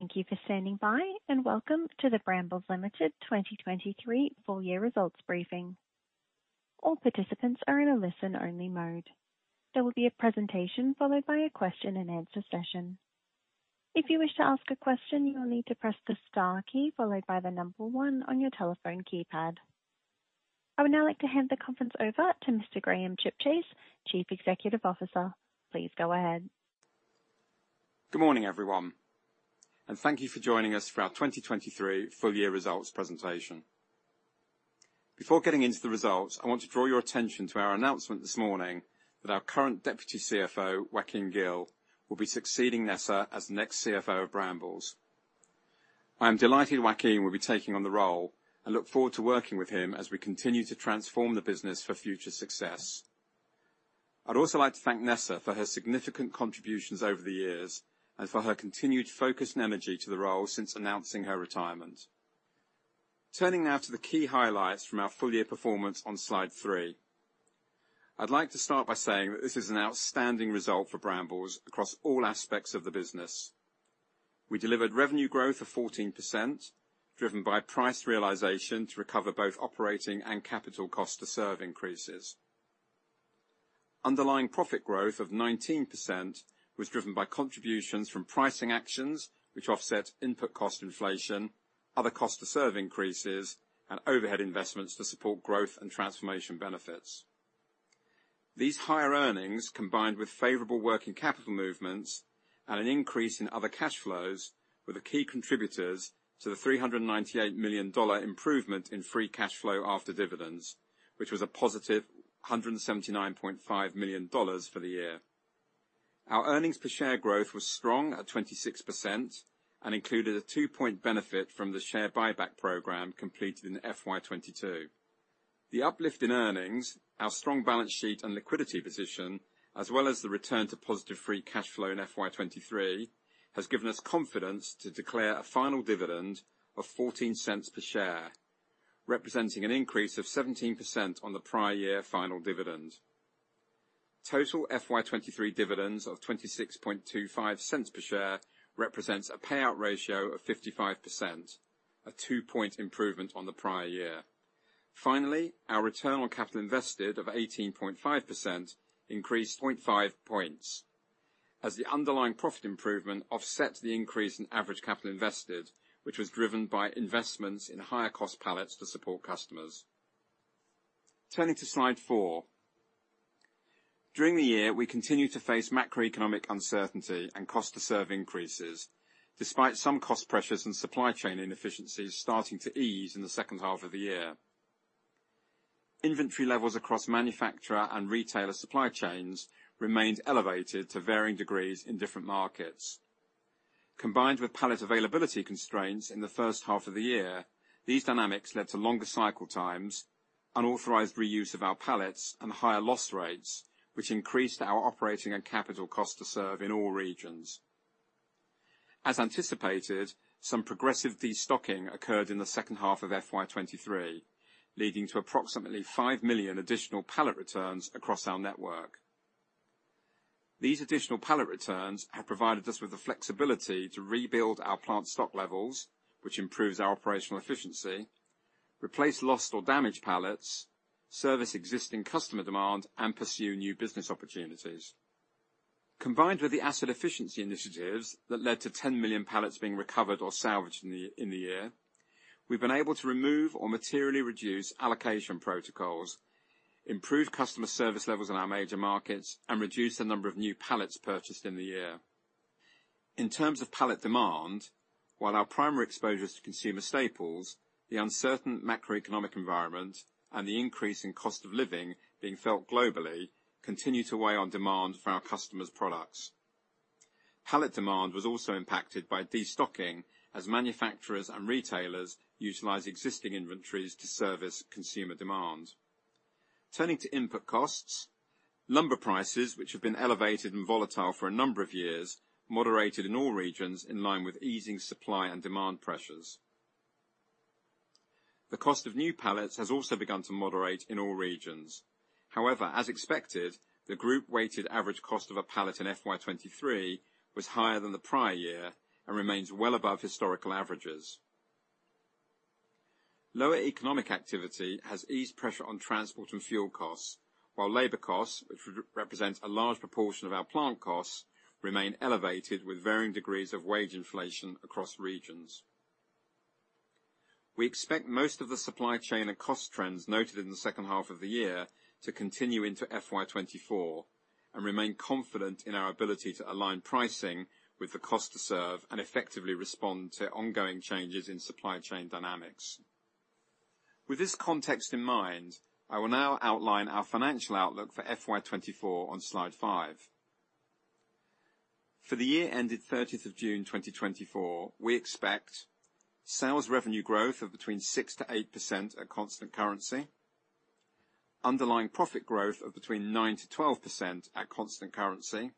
Thank you for standing by, and welcome to the Brambles Limited 2023 full year results briefing. All participants are in a listen-only mode. There will be a presentation followed by a question and answer session. If you wish to ask a question, you will need to press the star key followed by the number 1 on your telephone keypad. I would now like to hand the conference over to Mr. Graham Chipchase, Chief Executive Officer. Please go ahead. Good morning, everyone, and thank you for joining us for our 2023 full year results presentation. Before getting into the results, I want to draw your attention to our announcement this morning that our current Deputy CFO, Joaquin Gil, will be succeeding Nessa as the next CFO of Brambles. I am delighted Joaquin will be taking on the role and look forward to working with him as we continue to transform the business for future success. I'd also like to thank Nessa for her significant contributions over the years and for her continued focus and energy to the role since announcing her retirement. Turning now to the key highlights from our full year performance on Slide 3. I'd like to start by saying that this is an outstanding result for Brambles across all aspects of the business. We delivered revenue growth of 14%, driven by price realization to recover both operating and capital cost to serve increases. Underlying profit growth of 19% was driven by contributions from pricing actions, which offset input cost inflation, other cost to serve increases, and overhead investments to support growth and transformation benefits. These higher earnings, combined with favorable working capital movements and an increase in other cash flows, were the key contributors to the $398 million improvement in free cash flow after dividends, which was a positive $179.5 million for the year. Our earnings per share growth was strong at 26% and included a 2-point benefit from the share buyback program completed in FY 2022. The uplift in earnings, our strong balance sheet and liquidity position, as well as the return to positive free cash flow in FY 2023, has given us confidence to declare a final dividend of $0.14 per share, representing an increase of 17% on the prior year final dividend. Total FY 2023 dividends of $0.2625 per share represents a payout ratio of 55%, a 2-point improvement on the prior year. Finally, our return on capital invested of 18.5% increased 0.5 points as the underlying profit improvement offsets the increase in average capital invested, which was driven by investments in higher cost pallets to support customers. Turning to Slide 4. During the year, we continued to face macroeconomic uncertainty and cost to serve increases, despite some cost pressures and supply chain inefficiencies starting to ease in the second half of the year. Inventory levels across manufacturer and retailer supply chains remained elevated to varying degrees in different markets. Combined with pallet availability constraints in the first half of the year, these dynamics led to longer cycle times, unauthorized reuse of our pallets, and higher loss rates, which increased our operating and capital cost to serve in all regions. As anticipated, some progressive destocking occurred in the second half of FY 2023, leading to approximately 5 million additional pallet returns across our network. These additional pallet returns have provided us with the flexibility to rebuild our plant stock levels, which improves our operational efficiency, replace lost or damaged pallets, service existing customer demand, and pursue new business opportunities. Combined with the asset efficiency initiatives that led to 10 million pallets being recovered or salvaged in the year, we've been able to remove or materially reduce allocation protocols, improve customer service levels in our major markets, and reduce the number of new pallets purchased in the year. In terms of pallet demand, while our primary exposure is to consumer staples, the uncertain macroeconomic environment and the increase in cost of living being felt globally continued to weigh on demand for our customers' products. Pallet demand was also impacted by destocking as manufacturers and retailers utilized existing inventories to service consumer demand. Turning to input costs, lumber prices, which have been elevated and volatile for a number of years, moderated in all regions in line with easing supply and demand pressures. The cost of new pallets has also begun to moderate in all regions. However, as expected, the group weighted average cost of a pallet in FY 2023 was higher than the prior year and remains well above historical averages. Lower economic activity has eased pressure on transport and fuel costs, while labor costs, which represents a large proportion of our plant costs, remain elevated, with varying degrees of wage inflation across regions. We expect most of the supply chain and cost trends noted in the second half of the year to continue into FY 2024, and remain confident in our ability to align pricing with the cost to serve and effectively respond to ongoing changes in supply chain dynamics. With this context in mind, I will now outline our financial outlook for FY 2024 on Slide 5. For the year ended 30th of June, 2024, we expect sales revenue growth of between 6%-8% at constant currency, underlying profit growth of between 9%-12% at constant currency,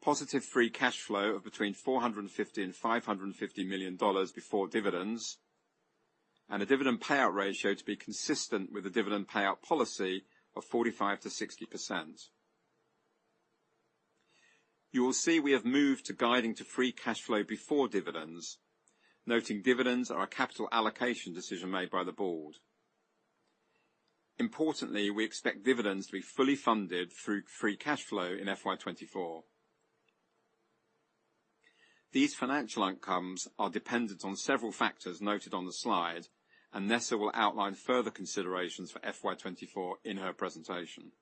positive free cash flow of between $450 million and $550 million before dividends and a dividend payout ratio to be consistent with the dividend payout policy of 45%-60%. You will see we have moved to guiding to free cash flow before dividends, noting dividends are a capital allocation decision made by the board. Importantly, we expect dividends to be fully funded through free cash flow in FY 2024. These financial outcomes are dependent on several factors noted on the slide, and Nessa will outline further considerations for FY 2024 in her presentation.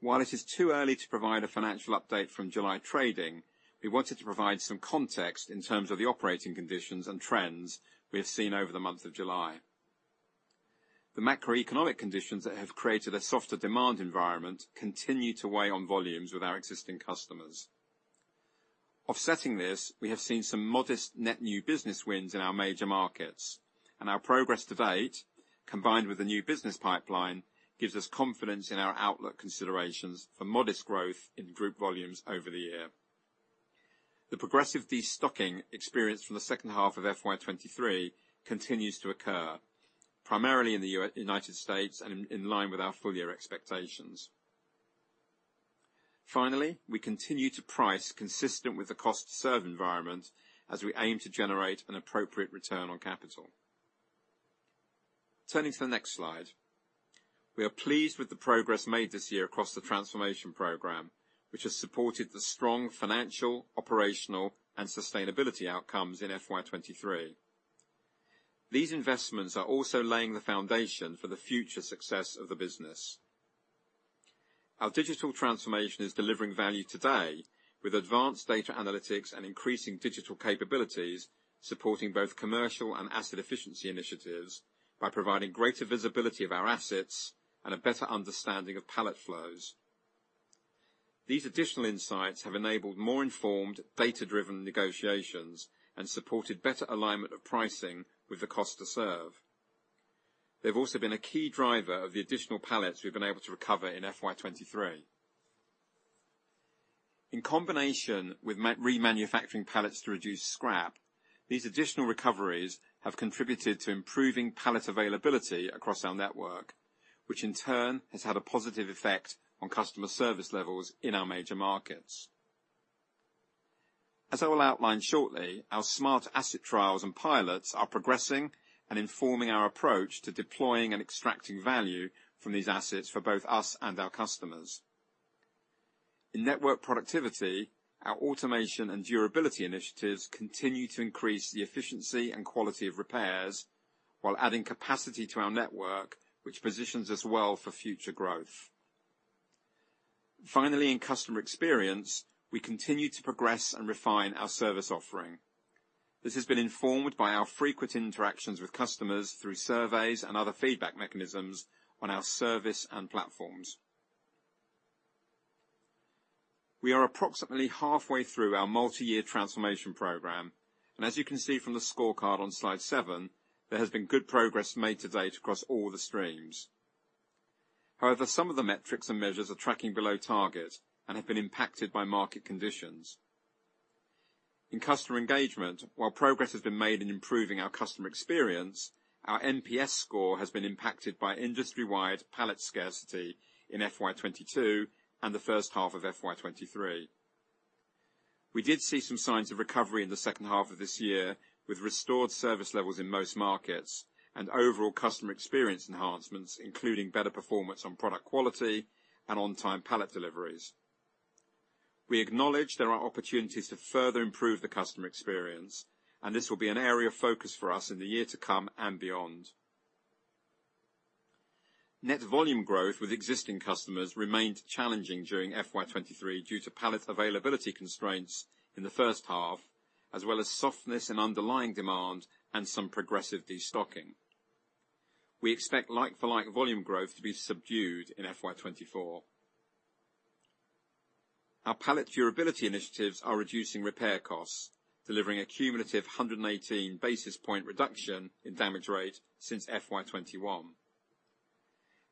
While it is too early to provide a financial update from July trading, we wanted to provide some context in terms of the operating conditions and trends we have seen over the month of July. The macroeconomic conditions that have created a softer demand environment continue to weigh on volumes with our existing customers. Offsetting this, we have seen some modest net new business wins in our major markets, and our progress to date, combined with the new business pipeline, gives us confidence in our outlook considerations for modest growth in group volumes over the year. The progressive destocking experienced from the second half of FY 2023 continues to occur, primarily in the United States and in line with our full year expectations. Finally, we continue to price consistent with the cost to serve environment as we aim to generate an appropriate return on capital. Turning to the next slide. We are pleased with the progress made this year across the transformation program, which has supported the strong financial, operational, and sustainability outcomes in FY 2023. These investments are also laying the foundation for the future success of the business. Our digital transformation is delivering value today, with advanced data analytics and increasing digital capabilities, supporting both commercial and asset efficiency initiatives by providing greater visibility of our assets and a better understanding of pallet flows. These additional insights have enabled more informed, data-driven negotiations and supported better alignment of pricing with the cost to serve. They've also been a key driver of the additional pallets we've been able to recover in FY 2023. In combination with manufacturing pallets to reduce scrap, these additional recoveries have contributed to improving pallet availability across our network, which in turn has had a positive effect on customer service levels in our major markets. As I will outline shortly, our smart asset trials and pilots are progressing and informing our approach to deploying and extracting value from these assets for both us and our customers. In network productivity, our automation and durability initiatives continue to increase the efficiency and quality of repairs, while adding capacity to our network, which positions us well for future growth. Finally, in customer experience, we continue to progress and refine our service offering. This has been informed by our frequent interactions with customers through surveys and other feedback mechanisms on our service and platforms. We are approximately halfway through our multi-year transformation program, and as you can see from the scorecard on slide 7, there has been good progress made to date across all the streams. However, some of the metrics and measures are tracking below target and have been impacted by market conditions. In customer engagement, while progress has been made in improving our customer experience, our NPS score has been impacted by industry-wide pallet scarcity in FY 2022 and the first half of FY 2023. We did see some signs of recovery in the second half of this year, with restored service levels in most markets and overall customer experience enhancements, including better performance on product quality and on-time pallet deliveries. We acknowledge there are opportunities to further improve the customer experience, and this will be an area of focus for us in the year to come and beyond. Net volume growth with existing customers remained challenging during FY 2023 due to pallet availability constraints in the first half, as well as softness in underlying demand and some progressive destocking. We expect like-for-like volume growth to be subdued in FY 2024. Our pallet durability initiatives are reducing repair costs, delivering a cumulative 118 basis point reduction in damage rate since FY 2021.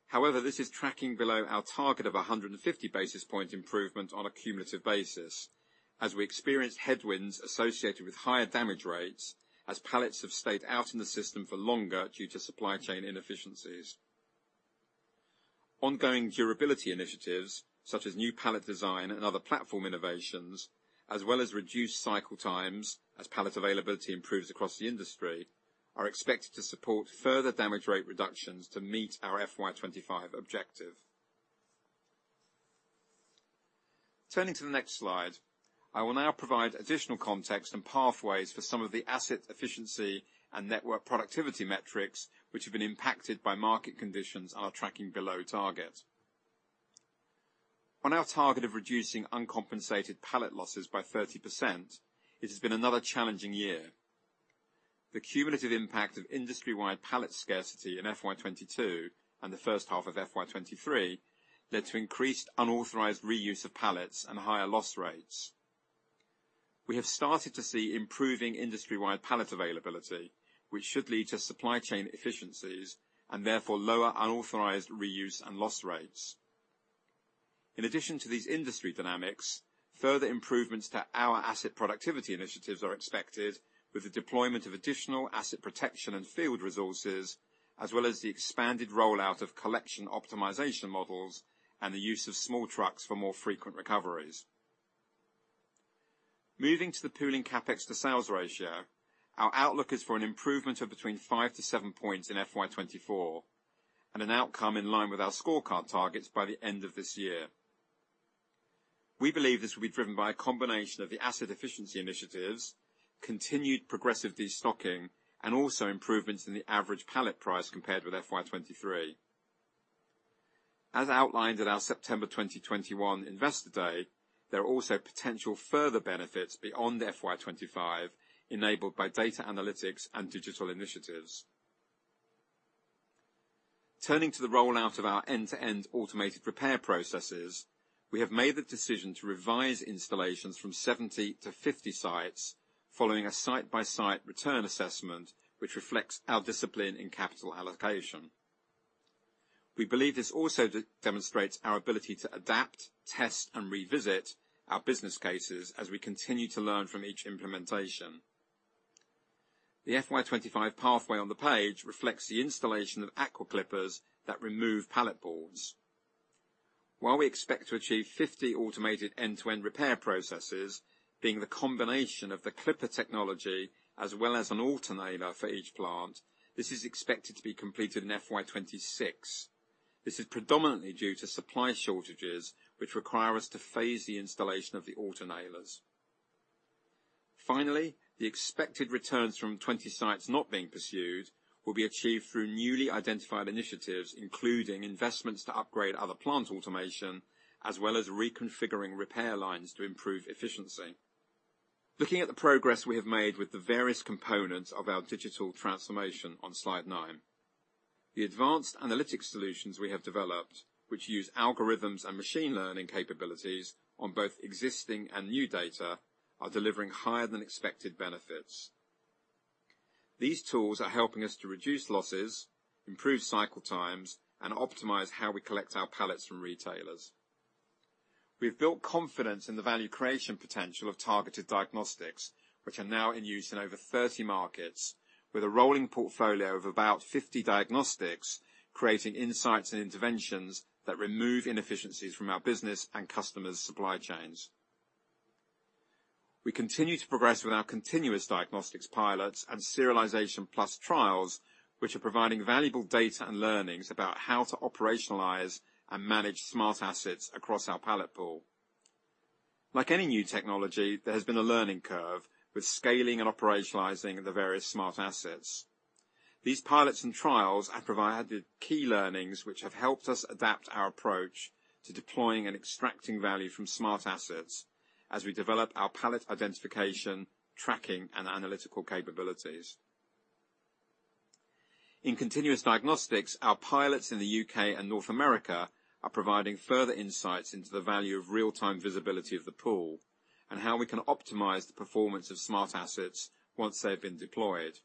However, this is tracking below our target of a 150 basis point improvement on a cumulative basis, as we experienced headwinds associated with higher damage rates, as pallets have stayed out in the system for longer due to supply chain inefficiencies. Ongoing durability initiatives, such as new pallet design and other platform innovations, as well as reduced cycle times, as pallet availability improves across the industry, are expected to support further damage rate reductions to meet our FY 2025 objective. Turning to the next slide, I will now provide additional context and pathways for some of the asset efficiency and network productivity metrics, which have been impacted by market conditions and are tracking below target. On our target of reducing uncompensated pallet losses by 30%, it has been another challenging year. The cumulative impact of industry-wide pallet scarcity in FY 2022 and the first half of FY 2023 led to increased unauthorized reuse of pallets and higher loss rates. We have started to see improving industry-wide pallet availability, which should lead to supply chain efficiencies and therefore lower unauthorized reuse and loss rates. In addition to these industry dynamics, further improvements to our asset productivity initiatives are expected with the deployment of additional asset protection and field resources, as well as the expanded rollout of collection optimization models and the use of small trucks for more frequent recoveries. Moving to the pooling CapEx to sales ratio, our outlook is for an improvement of between five-seven points in FY 2024, and an outcome in line with our scorecard targets by the end of this year. We believe this will be driven by a combination of the asset efficiency initiatives, continued progressive destocking, and also improvements in the average pallet price compared with FY 2023. As outlined at our September 2021 Investor Day, there are also potential further benefits beyond FY 2025, enabled by data analytics and digital initiatives. Turning to the rollout of our end-to-end automated repair processes, we have made the decision to revise installations from 70 to 50 sites following a site-by-site return assessment, which reflects our discipline in capital allocation. We believe this also demonstrates our ability to adapt, test, and revisit our business cases as we continue to learn from each implementation. The FY 2025 pathway on the page reflects the installation of Auto Clippers that remove pallet boards. While we expect to achieve 50 automated end-to-end repair processes, being the combination of the clipper technology as well as an Auto Nailer for each plant, this is expected to be completed in FY 2026. This is predominantly due to supply shortages, which require us to phase the installation of the Auto Nailers. Finally, the expected returns from 20 sites not being pursued will be achieved through newly identified initiatives, including investments to upgrade other plant automation, as well as reconfiguring repair lines to improve efficiency. Looking at the progress we have made with the various components of our digital transformation on Slide 9. The advanced analytic solutions we have developed, which use algorithms and machine learning capabilities on both existing and new data, are delivering higher-than-expected benefits. These tools are helping us to reduce losses, improve cycle times, and optimize how we collect our pallets from retailers. We have built confidence in the value creation potential of Targeted Diagnostics, which are now in use in over 30 markets, with a rolling portfolio of about 50 diagnostics, creating insights and interventions that remove inefficiencies from our business and customers' supply chains. We continue to progress with our Continuous Diagnostics pilots and Serialization Plus trials, which are providing valuable data and learnings about how to operationalize and manage smart assets across our pallet pool. Like any new technology, there has been a learning curve with scaling and operationalizing the various smart assets. These pilots and trials have provided key learnings, which have helped us adapt our approach to deploying and extracting value from smart assets as we develop our pallet identification, tracking, and analytical capabilities. In Continuous Diagnostics, our pilots in the UK and North America are providing further insights into the value of real-time visibility of the pool, and how we can optimize the performance of smart assets once they've been deployed.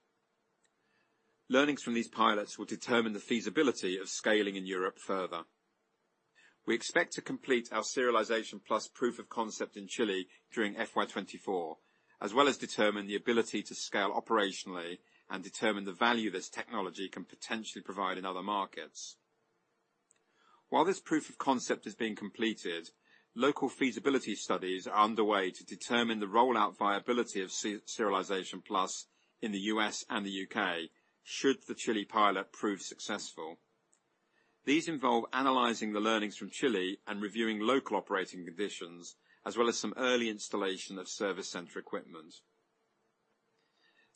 Learnings from these pilots will determine the feasibility of scaling in Europe further. We expect to complete our Serialization Plus proof of concept in Chile during FY 2024, as well as determine the ability to scale operationally and determine the value this technology can potentially provide in other markets. While this proof of concept is being completed, local feasibility studies are underway to determine the rollout viability of Serialization Plus in the U.S. and the U.K., should the Chile pilot prove successful. These involve analyzing the learnings from Chile and reviewing local operating conditions, as well as some early installation of service center equipment.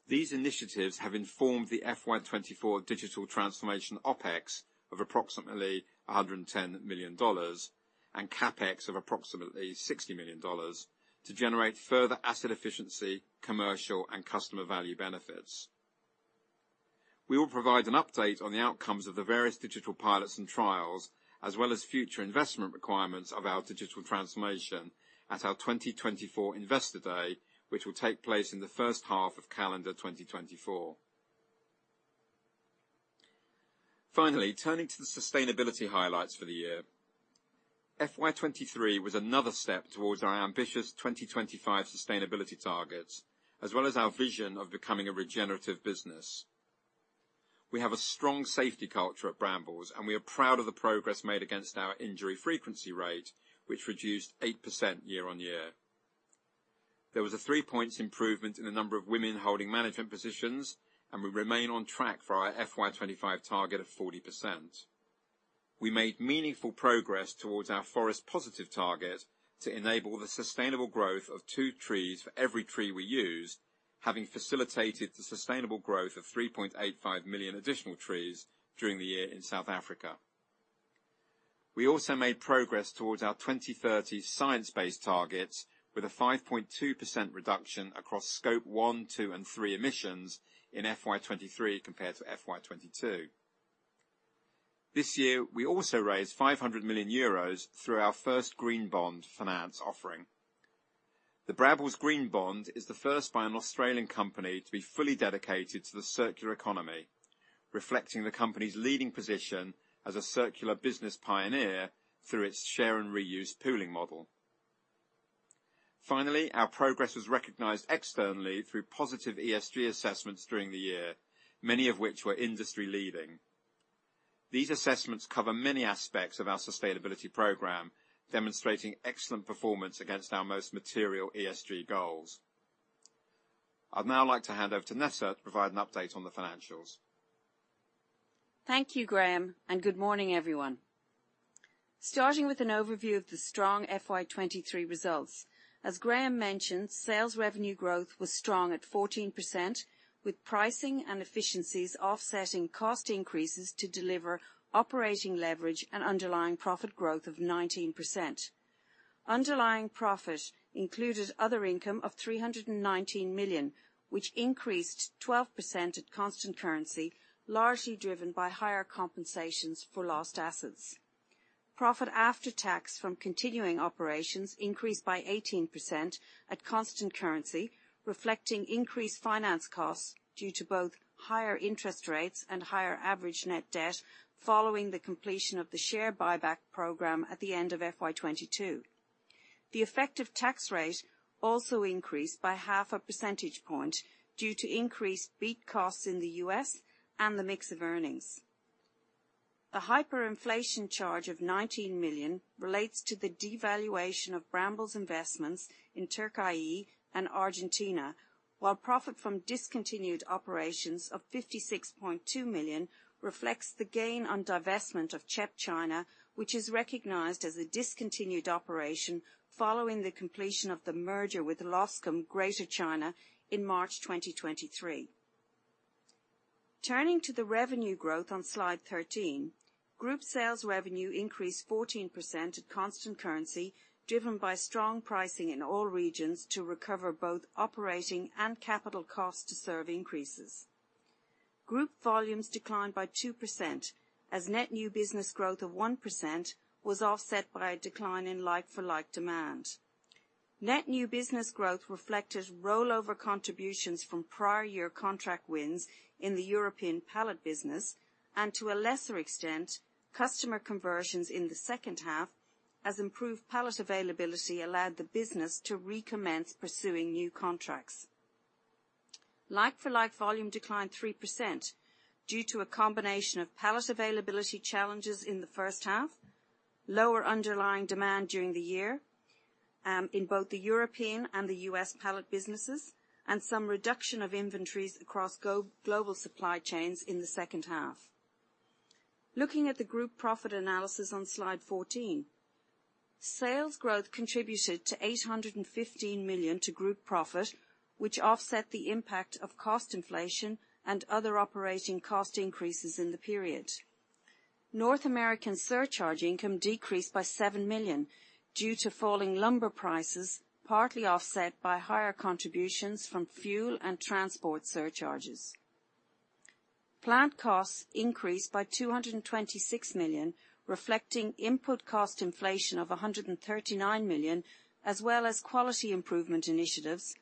These initiatives have informed the FY 2024 digital transformation OpEx of approximately $110 million, and CapEx of approximately $60 million, to generate further asset efficiency, commercial, and customer value benefits. We will provide an update on the outcomes of the various digital pilots and trials, as well as future investment requirements of our digital transformation at our 2024 Investor Day, which will take place in the first half of calendar 2024. Finally, turning to the sustainability highlights for the year. FY 2023 was another step towards our ambitious 2025 sustainability targets, as well as our vision of becoming a regenerative business. We have a strong safety culture at Brambles, and we are proud of the progress made against our injury frequency rate, which reduced 8% year-on-year. There was a 3 points improvement in the number of women holding management positions, and we remain on track for our FY 2025 target of 40%. We made meaningful progress towards our forest positive target to enable the sustainable growth of two trees for every tree we use, having facilitated the sustainable growth of 3.85 million additional trees during the year in South Africa. We also made progress towards our 2030 science-based targets with a 5.2% reduction across Scope 1, 2, and 3 emissions in FY 2023 compared to FY 2022. This year, we also raised 500 million euros through our first Green Bond finance offering. The Brambles Green Bond is the first by an Australian company to be fully dedicated to the circular economy, reflecting the company's leading position as a circular business pioneer through its share and reuse pooling model. Finally, our progress was recognized externally through positive ESG assessments during the year, many of which were industry-leading. These assessments cover many aspects of our sustainability program, demonstrating excellent performance against our most material ESG goals. I'd now like to hand over to Nessa to provide an update on the financials. Thank you, Graham, and good morning, everyone. Starting with an overview of the strong FY 2023 results. As Graham mentioned, sales revenue growth was strong at 14%, with pricing and efficiencies offsetting cost increases to deliver operating leverage and underlying profit growth of 19%. Underlying profit included other income of $319 million, which increased 12% at constant currency, largely driven by higher compensations for lost assets. Profit after tax from continuing operations increased by 18% at constant currency, reflecting increased finance costs due to both higher interest rates and higher average net debt following the completion of the share buyback program at the end of FY 2022. The effective tax rate also increased by 0.5 percentage points due to increased BEAT costs in the U.S. and the mix of earnings. A hyperinflation charge of $19 million relates to the devaluation of Brambles investments in Türkiye and Argentina, while profit from discontinued operations of $56.2 million reflects the gain on divestment of CHEP China, which is recognized as a discontinued operation following the completion of the merger with Loscam Greater China in March 2023. Turning to the revenue growth on slide 13, group sales revenue increased 14% at constant currency, driven by strong pricing in all regions to recover both operating and capital cost to serve increases. Group volumes declined by 2%, as net new business growth of 1% was offset by a decline in like-for-like demand. Net new business growth reflected rollover contributions from prior year contract wins in the European pallet business, and to a lesser extent, customer conversions in the second half, as improved pallet availability allowed the business to recommence pursuing new contracts. Like-for-like volume declined 3% due to a combination of pallet availability challenges in the first half, lower underlying demand during the year, in both the European and the U.S. pallet businesses, and some reduction of inventories across global supply chains in the second half. Looking at the group profit analysis on Slide 14, sales growth contributed $815 million to group profit, which offset the impact of cost inflation and other operating cost increases in the period. North American surcharge income decreased by $7 million due to falling lumber prices, partly offset by higher contributions from fuel and transport surcharges. Plant costs increased by $226 million, reflecting input cost inflation of $139 million, as well as quality improvement initiatives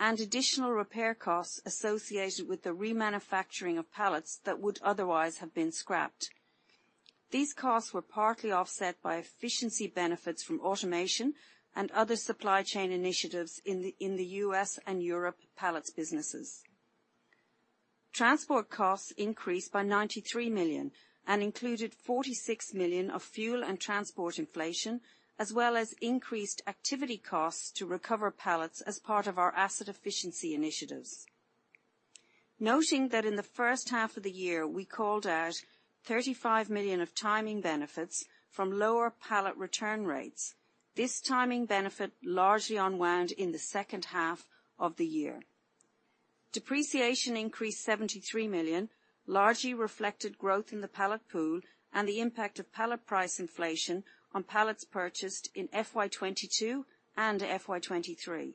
and additional repair costs associated with the remanufacturing of pallets that would otherwise have been scrapped. These costs were partly offset by efficiency benefits from automation and other supply chain initiatives in the U.S. and Europe pallets businesses. Transport costs increased by $93 million and included $46 million of fuel and transport inflation, as well as increased activity costs to recover pallets as part of our asset efficiency initiatives. Noting that in the first half of the year, we called out $35 million of timing benefits from lower pallet return rates. This timing benefit largely unwound in the second half of the year. Depreciation increased $73 million, largely reflected growth in the pallet pool and the impact of pallet price inflation on pallets purchased in FY 2022 and FY 2023.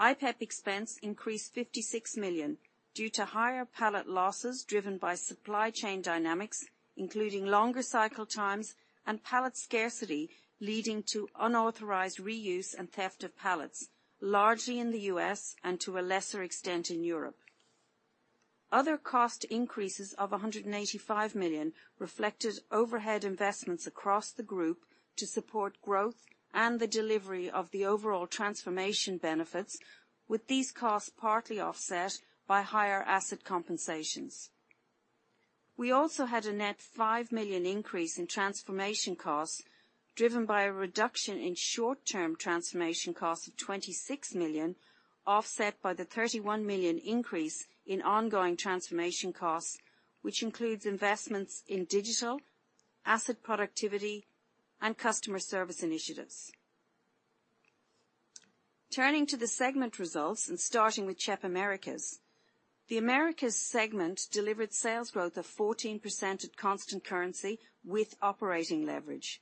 IPEP expense increased $56 million due to higher pallet losses driven by supply chain dynamics, including longer cycle times and pallet scarcity, leading to unauthorized reuse and theft of pallets, largely in the U.S. and to a lesser extent in Europe. Other cost increases of $185 million reflected overhead investments across the group to support growth and the delivery of the overall transformation benefits, with these costs partly offset by higher asset compensations. We also had a net $5 million increase in transformation costs, driven by a reduction in short-term transformation costs of $26 million, offset by the $31 million increase in ongoing transformation costs, which includes investments in digital, asset productivity, and customer service initiatives. Turning to the segment results and starting with CHEP Americas. The Americas segment delivered sales growth of 14% at constant currency with operating leverage.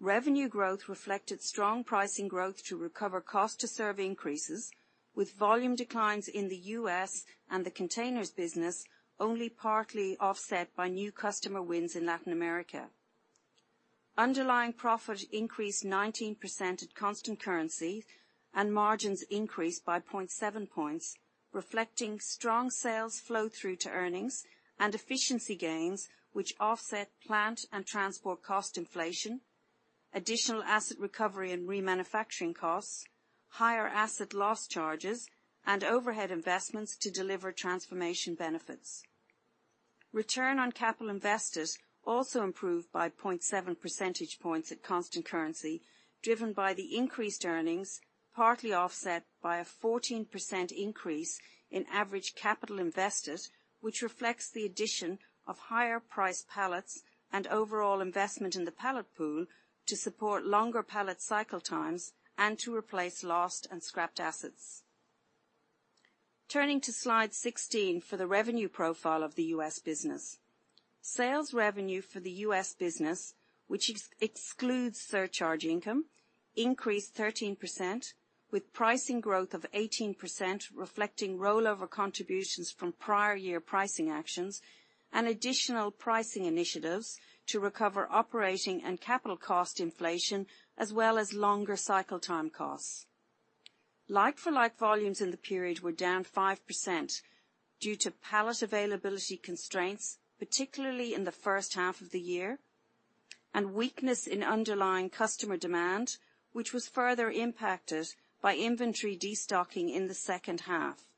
Revenue growth reflected strong pricing growth to recover cost to serve increases, with volume declines in the U.S. and the containers business only partly offset by new customer wins in Latin America.... Underlying profit increased 19% at constant currency, and margins increased by 0.7 points, reflecting strong sales flow through to earnings and efficiency gains, which offset plant and transport cost inflation, additional asset recovery and remanufacturing costs, higher asset loss charges, and overhead investments to deliver transformation benefits. Return on capital invested also improved by 0.7 percentage points at constant currency, driven by the increased earnings, partly offset by a 14% increase in average capital invested, which reflects the addition of higher priced pallets and overall investment in the pallet pool to support longer pallet cycle times and to replace lost and scrapped assets. Turning to Slide 16 for the revenue profile of the U.S. business. Sales revenue for the U.S. business, which excludes surcharge income, increased 13%, with pricing growth of 18%, reflecting rollover contributions from prior year pricing actions and additional pricing initiatives to recover operating and capital cost inflation, as well as longer cycle time costs. Like-for-like volumes in the period were down 5% due to pallet availability constraints, particularly in the first half of the year, and weakness in underlying customer demand, which was further impacted by inventory destocking in the second half.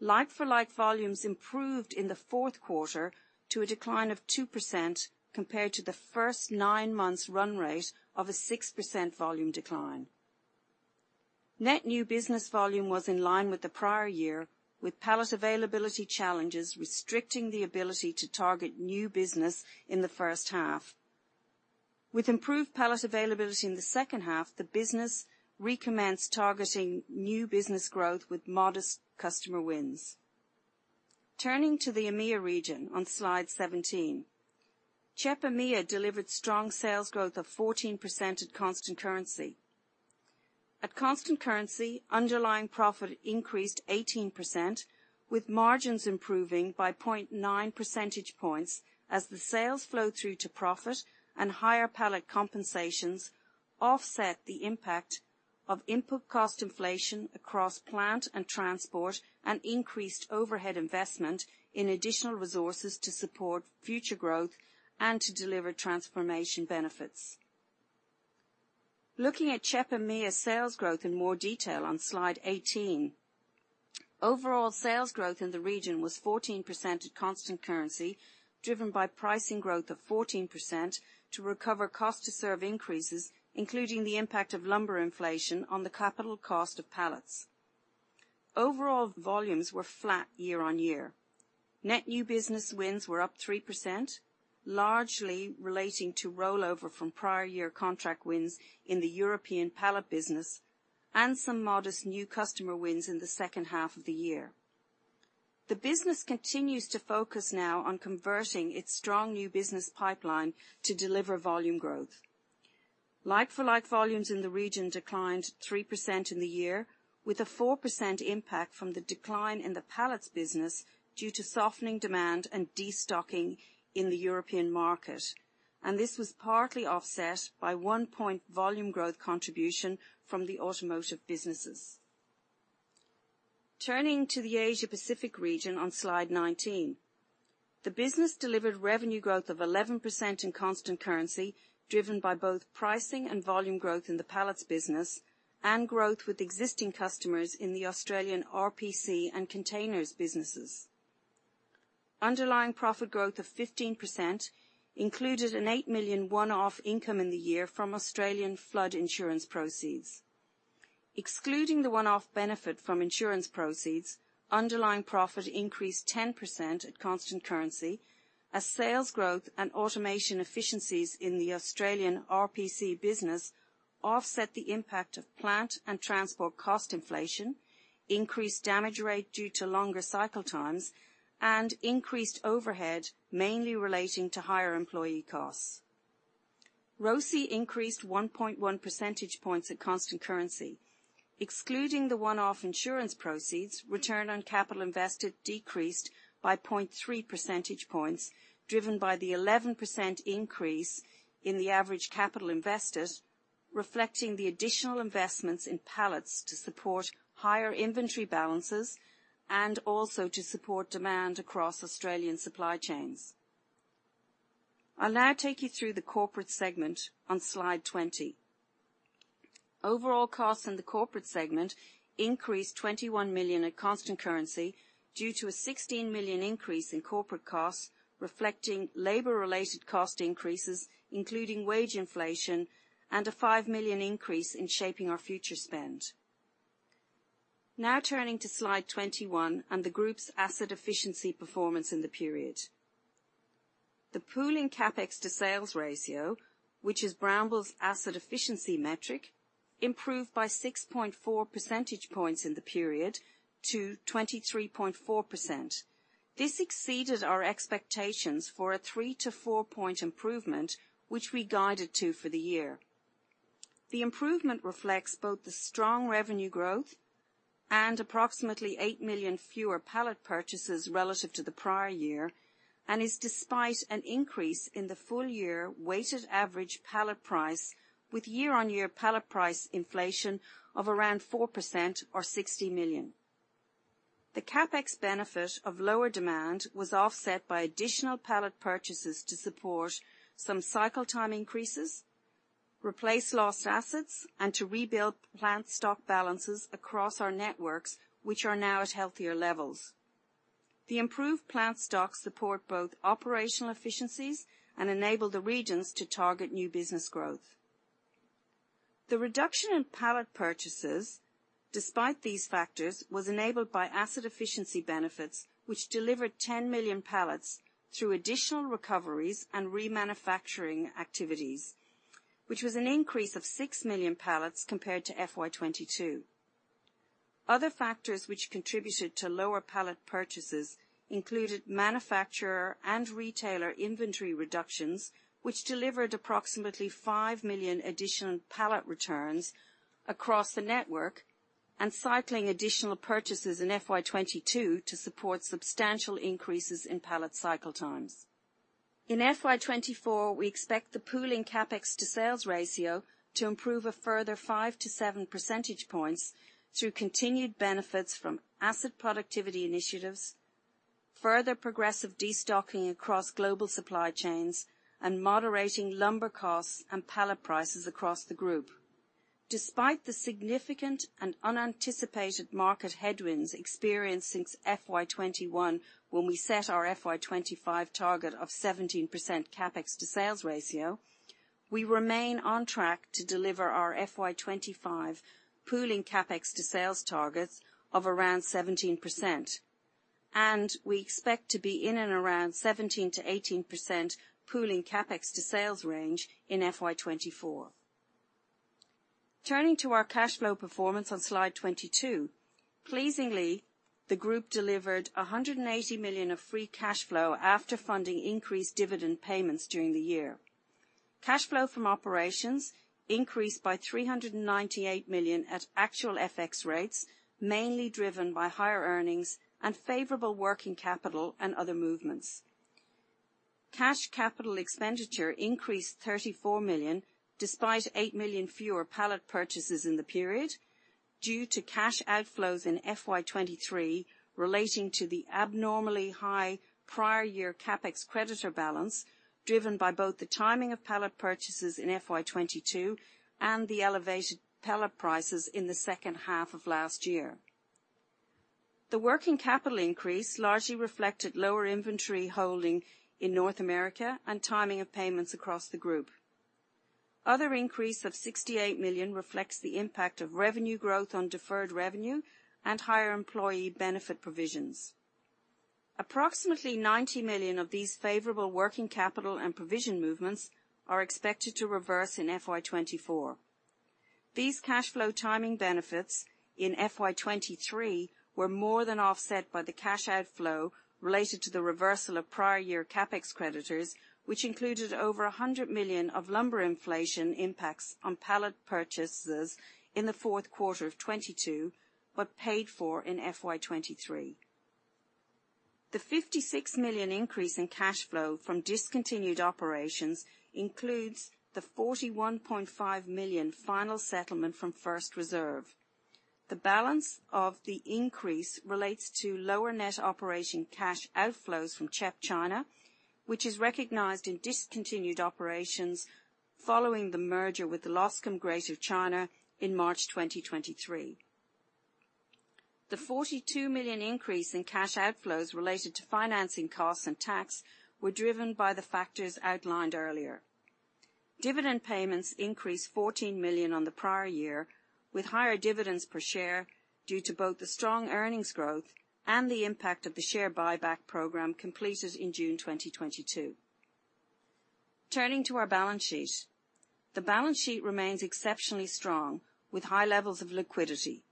Like-for-like volumes improved in the Q4 to a decline of 2% compared to the first nine months run rate of a 6% volume decline. Net new business volume was in line with the prior year, with pallet availability challenges restricting the ability to target new business in the first half. With improved pallet availability in the second half, the business recommenced targeting new business growth with modest customer wins. Turning to the EMEA region on Slide 17. CHEP EMEA delivered strong sales growth of 14% at constant currency. At constant currency, underlying profit increased 18%, with margins improving by 0.9 percentage points as the sales flow through to profit and higher pallet compensations offset the impact of input cost inflation across plant and transport, and increased overhead investment in additional resources to support future growth and to deliver transformation benefits. Looking at CHEP EMEA sales growth in more detail on Slide 18. Overall, sales growth in the region was 14% at constant currency, driven by pricing growth of 14% to recover cost to serve increases, including the impact of lumber inflation on the capital cost of pallets. Overall, volumes were flat year-on-year. Net new business wins were up 3%, largely relating to rollover from prior year contract wins in the European pallet business and some modest new customer wins in the second half of the year. The business continues to focus now on converting its strong new business pipeline to deliver volume growth. Like-for-like volumes in the region declined 3% in the year, with a 4% impact from the decline in the pallets business due to softening demand and destocking in the European market, and this was partly offset by 1-point volume growth contribution from the automotive businesses. Turning to the Asia Pacific region on Slide 19. The business delivered revenue growth of 11% in constant currency, driven by both pricing and volume growth in the pallets business and growth with existing customers in the Australian RPC and containers businesses. Underlying profit growth of 15% included an 8 million one-off income in the year from Australian flood insurance proceeds. Excluding the one-off benefit from insurance proceeds, underlying profit increased 10% at constant currency as sales growth and automation efficiencies in the Australian RPC business offset the impact of plant and transport cost inflation, increased damage rate due to longer cycle times, and increased overhead, mainly relating to higher employee costs. ROCE increased 1.1 percentage points at constant currency. Excluding the one-off insurance proceeds, return on capital invested decreased by 0.3 percentage points, driven by the 11% increase in the average capital invested, reflecting the additional investments in pallets to support higher inventory balances and also to support demand across Australian supply chains. I'll now take you through the corporate segment on Slide 20. Overall costs in the corporate segment increased $21 million at constant currency due to a $16 million increase in corporate costs, reflecting labor-related cost increases, including wage inflation and a $5 million increase in Shaping Our Future spend. Now turning to Slide 21 and the group's asset efficiency performance in the period. The pooling CapEx to sales ratio, which is Brambles' asset efficiency metric, improved by 6.4 percentage points in the period to 23.4%. This exceeded our expectations for a 3-4 point improvement, which we guided to for the year.... The improvement reflects both the strong revenue growth and approximately $8 million fewer pallet purchases relative to the prior year, and is despite an increase in the full year weighted average pallet price, with year-on-year pallet price inflation of around 4% or $60 million. The CapEx benefit of lower demand was offset by additional pallet purchases to support some cycle time increases, replace lost assets, and to rebuild plant stock balances across our networks, which are now at healthier levels. The improved plant stocks support both operational efficiencies and enable the regions to target new business growth. The reduction in pallet purchases, despite these factors, was enabled by asset efficiency benefits, which delivered 10 million pallets through additional recoveries and remanufacturing activities, which was an increase of 6 million pallets compared to FY 2022. Other factors which contributed to lower pallet purchases included manufacturer and retailer inventory reductions, which delivered approximately 5 million additional pallet returns across the network, and cycling additional purchases in FY 2022 to support substantial increases in pallet cycle times. In FY 2024, we expect the pooling CapEx to sales ratio to improve a further five-seven percentage points through continued benefits from asset productivity initiatives, further progressive destocking across global supply chains, and moderating lumber costs and pallet prices across the group. Despite the significant and unanticipated market headwinds experienced since FY 2021, when we set our FY 2025 target of 17% CapEx to sales ratio, we remain on track to deliver our FY 2025 pooling CapEx to sales targets of around 17%, and we expect to be in and around 17%-18% pooling CapEx to sales range in FY 2024. Turning to our cash flow performance on slide 22. Pleasingly, the group delivered $180 million of free cash flow after funding increased dividend payments during the year. Cash flow from operations increased by $398 million at actual FX rates, mainly driven by higher earnings and favorable working capital and other movements. Cash capital expenditure increased $34 million, despite 8 million fewer pallet purchases in the period, due to cash outflows in FY 2023, relating to the abnormally high prior year CapEx creditor balance, driven by both the timing of pallet purchases in FY 2022 and the elevated pallet prices in the second half of last year. The working capital increase largely reflected lower inventory holding in North America and timing of payments across the group. Other increase of $68 million reflects the impact of revenue growth on deferred revenue and higher employee benefit provisions. Approximately $90 million of these favorable working capital and provision movements are expected to reverse in FY 2024. These cash flow timing benefits in FY 2023 were more than offset by the cash outflow related to the reversal of prior year CapEx creditors, which included over $100 million of lumber inflation impacts on pallet purchases in the Q4 of 2022, but paid for in FY 2023. The $56 million increase in cash flow from discontinued operations includes the $41.5 million final settlement from First Reserve. The balance of the increase relates to lower net operation cash outflows from CHEP China, which is recognized in discontinued operations following the merger with the Loscam Greater China in March 2023. The $42 million increase in cash outflows related to financing costs and tax were driven by the factors outlined earlier. Dividend payments increased $14 million on the prior year, with higher dividends per share, due to both the strong earnings growth and the impact of the share buyback program completed in June 2022. Turning to our balance sheet. The balance sheet remains exceptionally strong, with high levels of liquidity.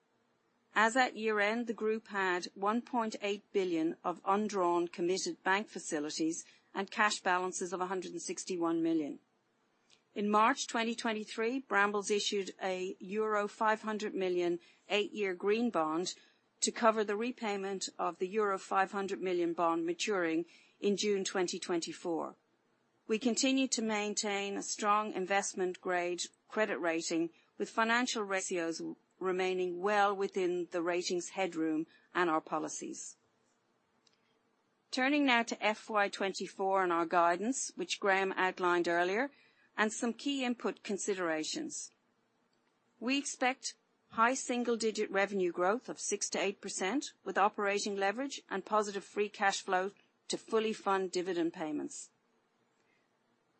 As at year-end, the group had $1.8 billion of undrawn committed bank facilities and cash balances of $161 million. In March 2023, Brambles issued a euro 500 million, eight year green bond to cover the repayment of the euro 500 million bond maturing in June 2024. We continue to maintain a strong investment-grade credit rating, with financial ratios remaining well within the ratings headroom and our policies. Turning now to FY 2024 and our guidance, which Graham outlined earlier, and some key input considerations. We expect high single-digit revenue growth of 6%-8%, with operating leverage and positive free cash flow to fully fund dividend payments.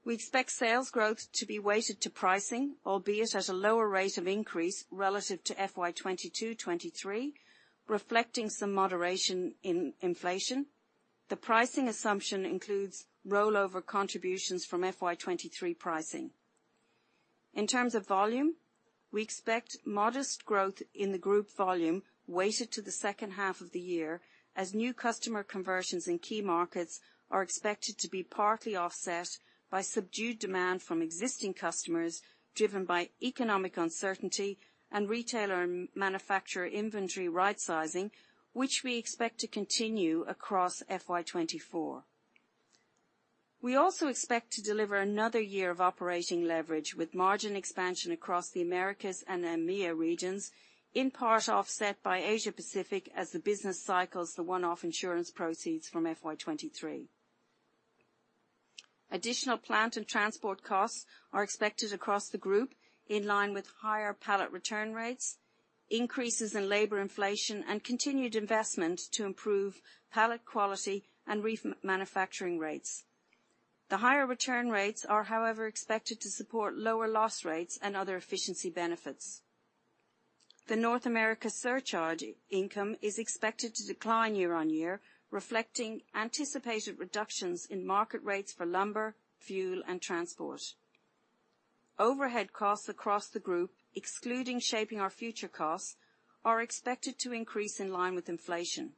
We expect sales growth to be weighted to pricing, albeit at a lower rate of increase relative to FY 2022, 2023, reflecting some moderation in inflation. The pricing assumption includes rollover contributions from FY 2023 pricing. In terms of volume?...We expect modest growth in the group volume weighted to the second half of the year, as new customer conversions in key markets are expected to be partly offset by subdued demand from existing customers, driven by economic uncertainty and retailer and manufacturer inventory rightsizing, which we expect to continue across FY 2024. We also expect to deliver another year of operating leverage, with margin expansion across the Americas and EMEA regions, in part offset by Asia Pacific as the business cycles the one-off insurance proceeds from FY 2023. Additional plant and transport costs are expected across the group, in line with higher pallet return rates, increases in labor inflation, and continued investment to improve pallet quality and remanufacturing rates. The higher return rates are, however, expected to support lower loss rates and other efficiency benefits. The North America surcharge income is expected to decline year on year, reflecting anticipated reductions in market rates for lumber, fuel, and transport. Overhead costs across the group, excluding Shaping Our Future costs, are expected to increase in line with inflation.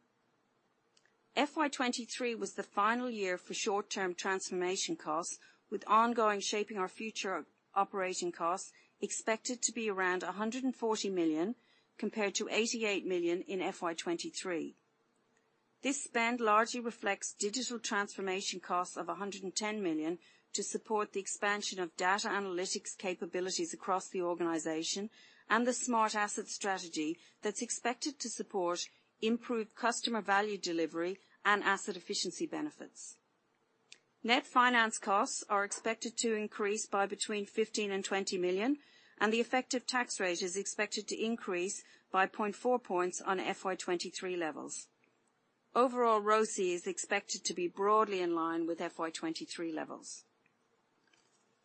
FY 2023 was the final year for short-term transformation costs, with ongoing Shaping Our Future operating costs expected to be around $140 million, compared to $88 million in FY 2023. This spend largely reflects digital transformation costs of $110 million to support the expansion of data analytics capabilities across the organization and the smart asset strategy that's expected to support improved customer value delivery and asset efficiency benefits. Net finance costs are expected to increase by between $15 million and $20 million, and the effective tax rate is expected to increase by 0.4 points on FY 2023 levels. Overall, ROCE is expected to be broadly in line with FY 2023 levels.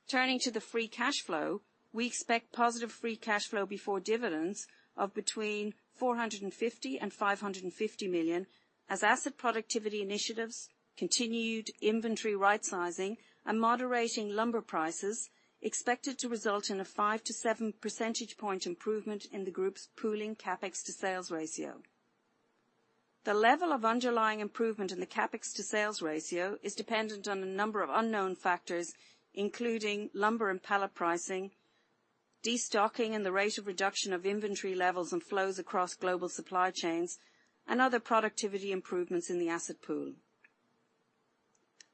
Turning to the free cash flow, we expect positive free cash flow before dividends of between $450 million and $550 million as asset productivity initiatives, continued inventory rightsizing, and moderating lumber prices expected to result in a 5-7 percentage point improvement in the group's pooling CapEx to sales ratio. The level of underlying improvement in the CapEx to sales ratio is dependent on a number of unknown factors, including lumber and pallet pricing, destocking and the rate of reduction of inventory levels and flows across global supply chains, and other productivity improvements in the asset pool.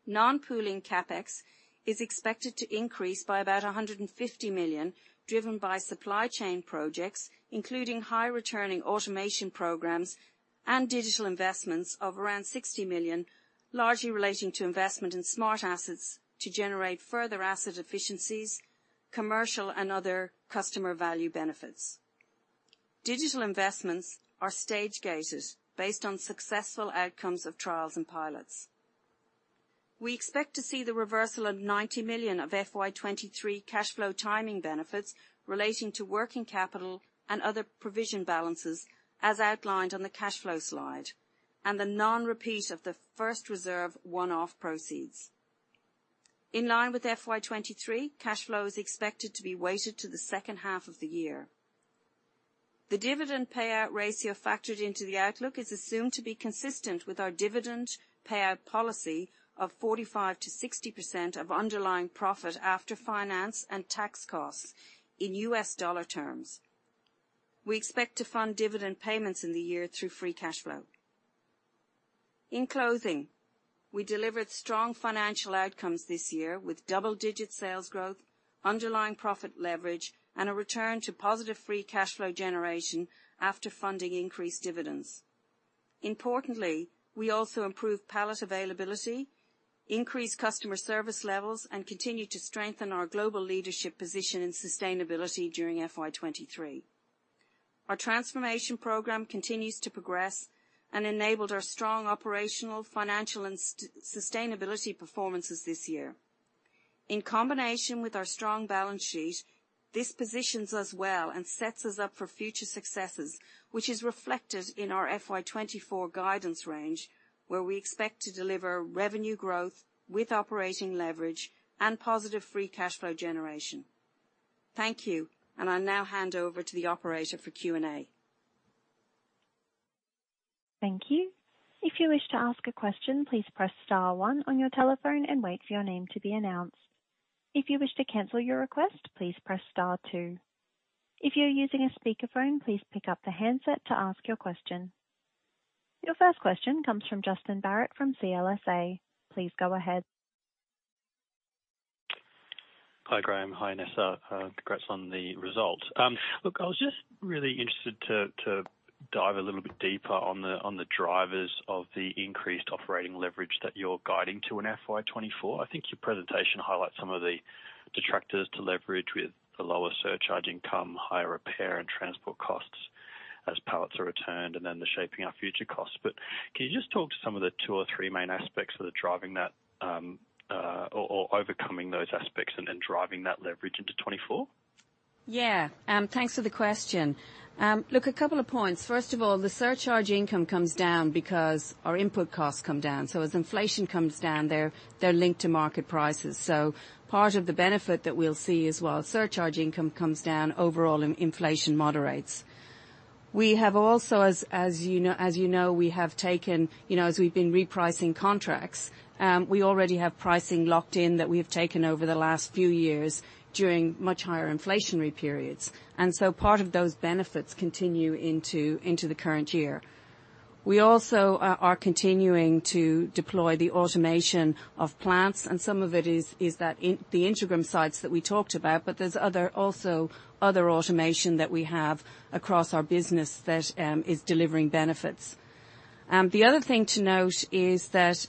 Non-pooling CapEx is expected to increase by about $150 million, driven by supply chain projects, including high-returning automation programs and digital investments of around $60 million, largely relating to investment in smart assets to generate further asset efficiencies, commercial and other customer value benefits. Digital investments are stage-gated based on successful outcomes of trials and pilots. We expect to see the reversal of $90 million of FY 2023 cash flow timing benefits relating to working capital and other provision balances, as outlined on the cash flow slide, and the non-repeat of the First Reserve one-off proceeds. In line with FY 2023, cash flow is expected to be weighted to the second half of the year. The dividend payout ratio factored into the outlook is assumed to be consistent with our dividend payout policy of 45%-60% of underlying profit after finance and tax costs in U.S. dollar terms. We expect to fund dividend payments in the year through free cash flow. In closing, we delivered strong financial outcomes this year with double-digit sales growth, underlying profit leverage, and a return to positive free cash flow generation after funding increased dividends. Importantly, we also improved pallet availability, increased customer service levels, and continued to strengthen our global leadership position in sustainability during FY 2023. Our transformation program continues to progress and enabled our strong operational, financial, and sustainability performances this year. In combination with our strong balance sheet, this positions us well and sets us up for future successes, which is reflected in our FY 2024 guidance range, where we expect to deliver revenue growth with operating leverage and positive free cash flow generation. Thank you, and I'll now hand over to the operator for Q&A. Thank you. If you wish to ask a question, please press star one on your telephone and wait for your name to be announced. If you wish to cancel your request, please press star two. If you are using a speakerphone, please pick up the handset to ask your question. Your first question comes from Justin Barratt from CLSA. Please go ahead. Hi, Graham. Hi, Nessa. Congrats on the results. Look, I was just really interested to dive a little bit deeper on the drivers of the increased operating leverage that you're guiding to in FY 2024. I think your presentation highlights some of the detractors to leverage with the lower surcharge income, higher repair and transport costs as pallets are returned, and then the Shaping Our Future costs. But can you just talk to some of the two or three main aspects that are driving that, or overcoming those aspects and then driving that leverage into 2024? Yeah, thanks for the question. Look, a couple of points. First of all, the surcharge income comes down because our input costs come down. So as inflation comes down, they're linked to market prices. So part of the benefit that we'll see is while surcharge income comes down, overall inflation moderates.... We have also, as, as, we have taken as we've been repricing contracts, we already have pricing locked in that we have taken over the last few years during much higher inflationary periods. And so part of those benefits continue into the current year. We also are continuing to deploy the automation of plants, and some of it is that in the Ingram sites that we talked about, but there's other also other automation that we have across our business that is delivering benefits. The other thing to note is that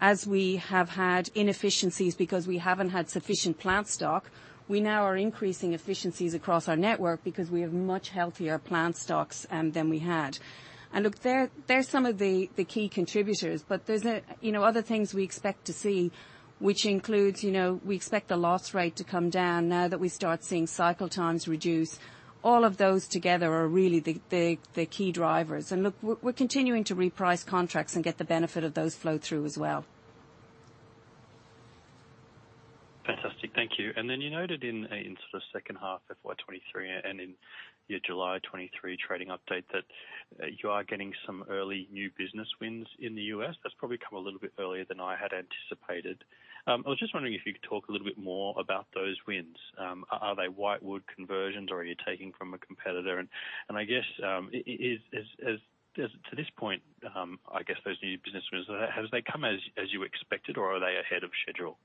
as we have had inefficiencies because we haven't had sufficient plant stock, we now are increasing efficiencies across our network because we have much healthier plant stocks than we had. And look, they're some of the key contributors, but there's other things we expect to see, which includes we expect the loss rate to come down now that we start seeing cycle times reduce. All of those together are really the key drivers. And look, we're continuing to reprice contracts and get the benefit of those flow through as well. Fantastic. Thank you. And then you noted in a, in sort of second half of FY 2023 and in your July 2023 trading update, that you are getting some early new business wins in the U.S. That's probably come a little bit earlier than I had anticipated. I was just wondering if you could talk a little bit more about those wins. Are they whitewood conversions, or are you taking from a competitor? And I guess, is, as to this point, I guess those new business wins, have they come as you expected, or are they ahead of schedule?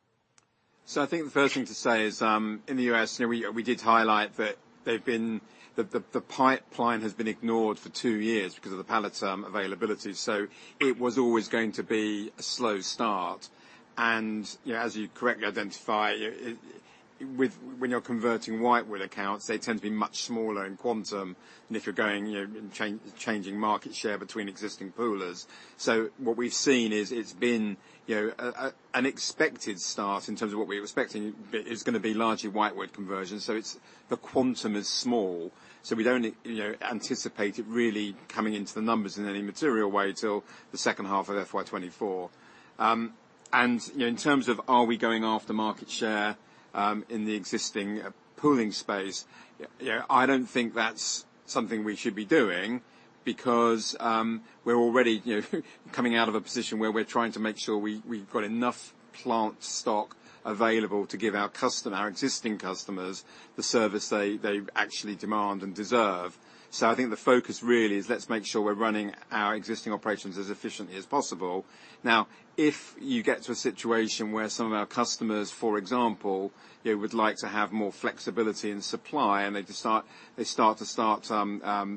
So I think the first thing to say is, in the u.s. we, we did highlight that they've been... That the, the pipeline has been ignored for two years because of the pallet availability, so it was always going to be a slow start. and as you correctly identify, with, when you're converting whitewood accounts, they tend to be much smaller in quantum than if you're going changing market share between existing poolers. So what we've seen is it's been a, an expected start in terms of what we were expecting. It's gonna be largely whitewood conversions, so it's the quantum is small, so we'd only anticipate it really coming into the numbers in any material way till the second half of FY 2024. , in terms of are we going after market share in the existing pooling space I don't think that's something we should be doing because we're already coming out of a position where we're trying to make sure we've got enough plant stock available to give our existing customers the service they actually demand and deserve. So I think the focus really is let's make sure we're running our existing operations as efficiently as possible. Now, if you get to a situation where some of our customers, for example would like to have more flexibility in supply, and they just start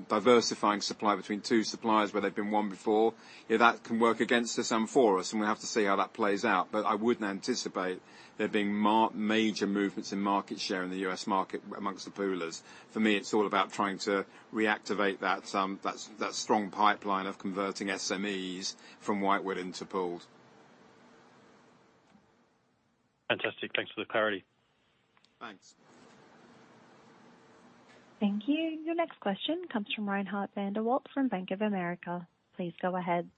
diversifying supply between two suppliers, where they've been one before that can work against us and for us, and we have to see how that plays out. But I wouldn't anticipate there being major movements in market share in the U.S. market amongst the poolers. For me, it's all about trying to reactivate that strong pipeline of converting SMEs from whitewood into pooled. Fantastic. Thanks for the clarity. Thanks. Thank you. Your next question comes from Reinhardt van der Walt from Bank of America. Please go ahead.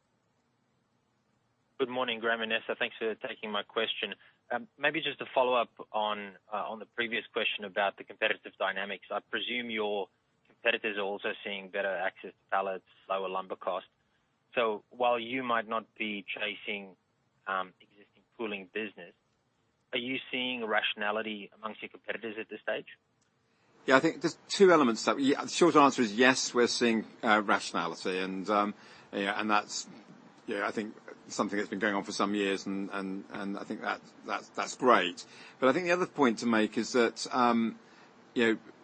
Good morning, Graham and Nessa. Thanks for taking my question. Maybe just to follow up on, on the previous question about the competitive dynamics. I presume your competitors are also seeing better access to pallets, lower lumber costs. So while you might not be chasing, existing pooling business, are you seeing rationality among your competitors at this stage? Yeah, I think there's two elements that... Yeah, the short answer is yes, we're seeing rationality, and yeah, and that's I think something that's been going on for some years, and I think that that's great. But I think the other point to make is that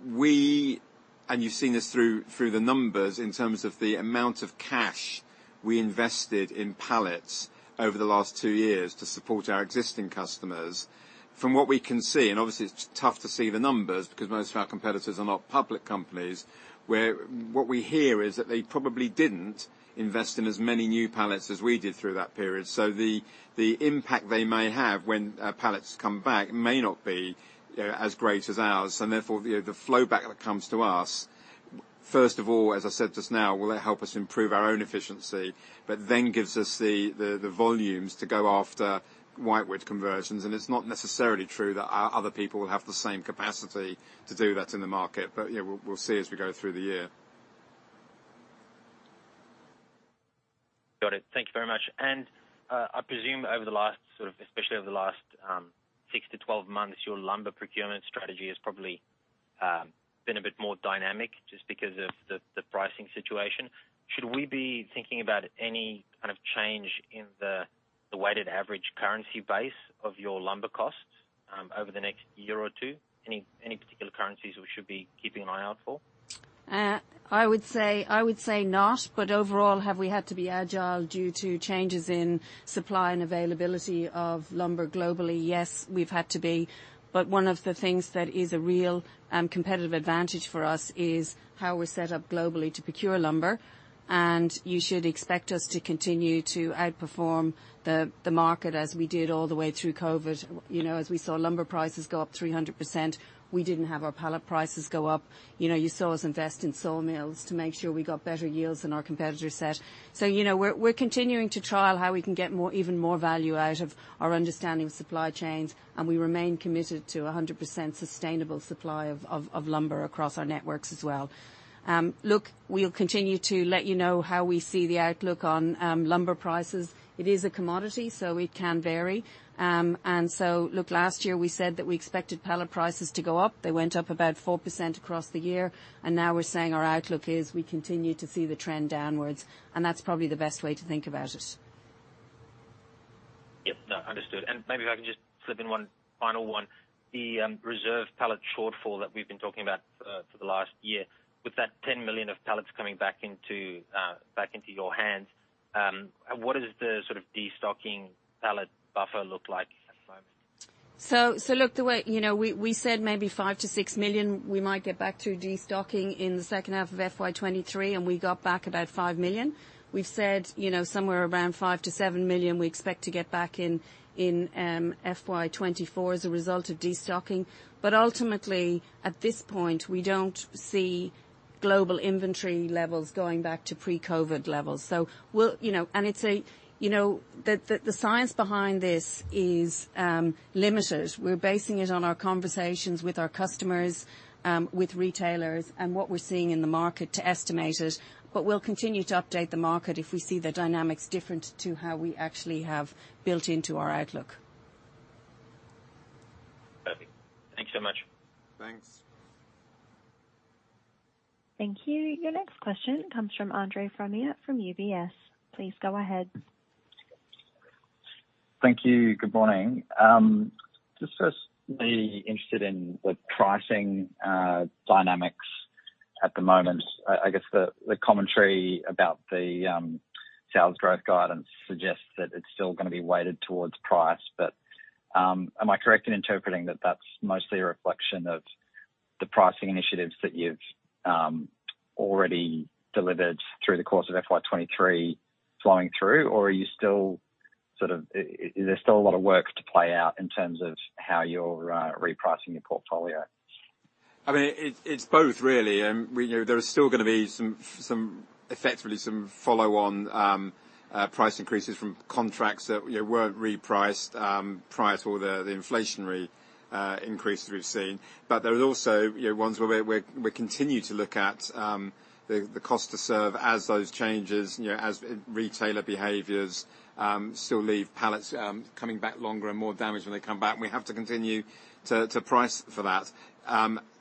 we-- and you've seen this through the numbers in terms of the amount of cash we invested in pallets over the last two years to support our existing customers. From what we can see, and obviously, it's tough to see the numbers, because most of our competitors are not public companies, where what we hear is that they probably didn't invest in as many new pallets as we did through that period. So the impact they may have when pallets come back may not be as great as ours, and therefore, the flowback that comes to us, first of all, as I said just now, will help us improve our own efficiency, but then gives us the volumes to go after whitewood conversions. And it's not necessarily true that other people will have the same capacity to do that in the market, but we'll see as we go through the year. Got it. Thank you very much. And I presume over the last sort of, especially over the last 6-12 months, your lumber procurement strategy has probably been a bit more dynamic just because of the pricing situation. Should we be thinking about any kind of change in the weighted average currency base of your lumber costs over the next year or two? Any particular currencies we should be keeping an eye out for? I would say, I would say not. But overall, have we had to be agile due to changes in supply and availability of lumber globally? Yes, we've had to be, but one of the things that is a real competitive advantage for us is how we're set up globally to procure lumber, and you should expect us to continue to outperform the market, as we did all the way through COVID., as we saw lumber prices go up 300%, we didn't have our pallet prices go up., you saw us invest in sawmills to make sure we got better yields than our competitor set. so we're continuing to trial how we can get even more value out of our understanding of supply chains, and we remain committed to 100% sustainable supply of lumber across our networks as well. Look, we'll continue to let how we see the outlook on lumber prices. It is a commodity, so it can vary. Look, last year we said that we expected pallet prices to go up. They went up about 4% across the year, and now we're saying our outlook is we continue to see the trend downwards, and that's probably the best way to think about it.... And maybe if I can just slip in one final one. The reserve pallet shortfall that we've been talking about for the last year, with that 10 million of pallets coming back into back into your hands, what is the sort of destocking pallet buffer look like at the moment? So look, the way we said maybe 5-6 million, we might get back through destocking in the second half of FY 2023, and we got back about 5 million. We've said somewhere around 5-7 million, we expect to get back in FY 2024 as a result of destocking. But ultimately, at this point, we don't see global inventory levels going back to pre-COVID levels. So we'll-, and it's a..., the science behind this is limited. We're basing it on our conversations with our customers, with retailers and what we're seeing in the market to estimate it. But we'll continue to update the market if we see the dynamics different to how we actually have built into our outlook. Perfect. Thank you so much. Thanks. Thank you. Your next question comes from Andre Frommer from UBS. Please go ahead. Thank you. Good morning. Just firstly, interested in the pricing dynamics at the moment. I guess the commentary about the sales growth guidance suggests that it's still gonna be weighted towards price. But, am I correct in interpreting that that's mostly a reflection of the pricing initiatives that you've already delivered through the course of FY 2023 flowing through? Or are you still sort of... Is there still a lot of work to play out in terms of how you're repricing your portfolio? I mean, it's both, really. We know there are still gonna be some follow-on price increases from contracts that weren't repriced prior to all the inflationary increases we've seen. But there are also ones where we continue to look at the cost to serve as those changes as retailer behaviors still leave pallets coming back longer and more damaged when they come back, and we have to continue to price for that.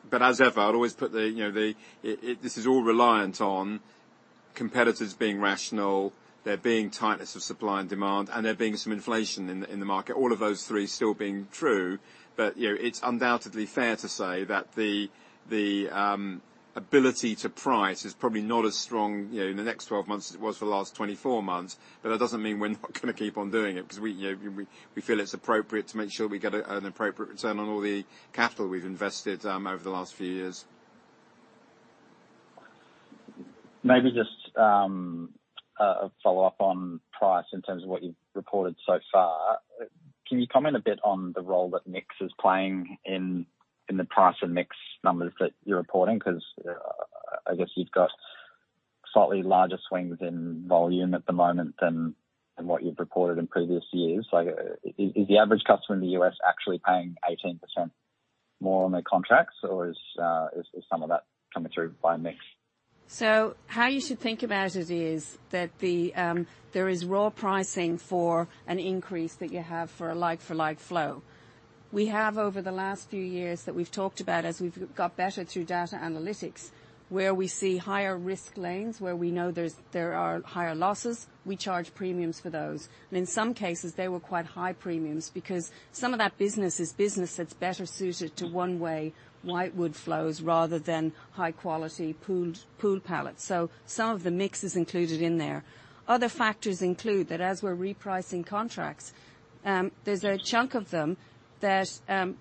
But as ever, I'd always put the the it... This is all reliant on competitors being rational, there being tightness of supply and demand, and there being some inflation in the market. All of those three still being true. but it's undoubtedly fair to say that the ability to price is probably not as strong in the next 12 months as it was for the last 24 months. But that doesn't mean we're not gonna keep on doing it, because we we feel it's appropriate to make sure we get an appropriate return on all the capital we've invested over the last few years. Maybe just a follow-up on price in terms of what you've reported so far. Can you comment a bit on the role that mix is playing in the price and mix numbers that you're reporting? Because I guess you've got slightly larger swings in volume at the moment than what you've reported in previous years. Like is the average customer in the U.S. actually paying 18% more on their contracts, or is some of that coming through by mix? So how you should think about it is that there is raw pricing for an increase that you have for a like-for-like flow. We have over the last few years that we've talked about, as we've got better through data analytics, where we see higher risk lanes, where we know there's, there are higher losses, we charge premiums for those. And in some cases, they were quite high premiums because some of that business is business that's better suited to one-way whitewood flows rather than high-quality pooled pallets. So some of the mix is included in there. Other factors include that as we're repricing contracts, there's a chunk of them that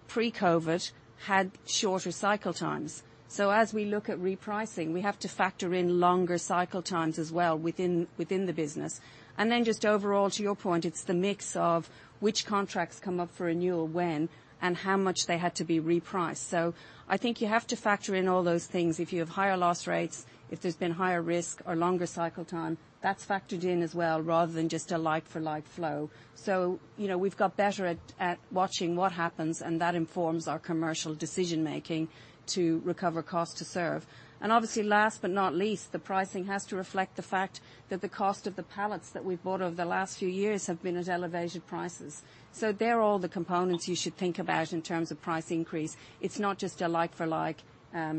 pre-COVID had shorter cycle times. So as we look at repricing, we have to factor in longer cycle times as well within the business. And then just overall, to your point, it's the mix of which contracts come up for renewal when and how much they had to be repriced. So I think you have to factor in all those things. If you have higher loss rates, if there's been higher risk or longer cycle time, that's factored in as well, rather than just a like-for-like flow. so we've got better at watching what happens, and that informs our commercial decision-making to recover cost to serve. And obviously, last but not least, the pricing has to reflect the fact that the cost of the pallets that we've bought over the last few years have been at elevated prices. So they're all the components you should think about in terms of price increase. It's not just a like-for-like,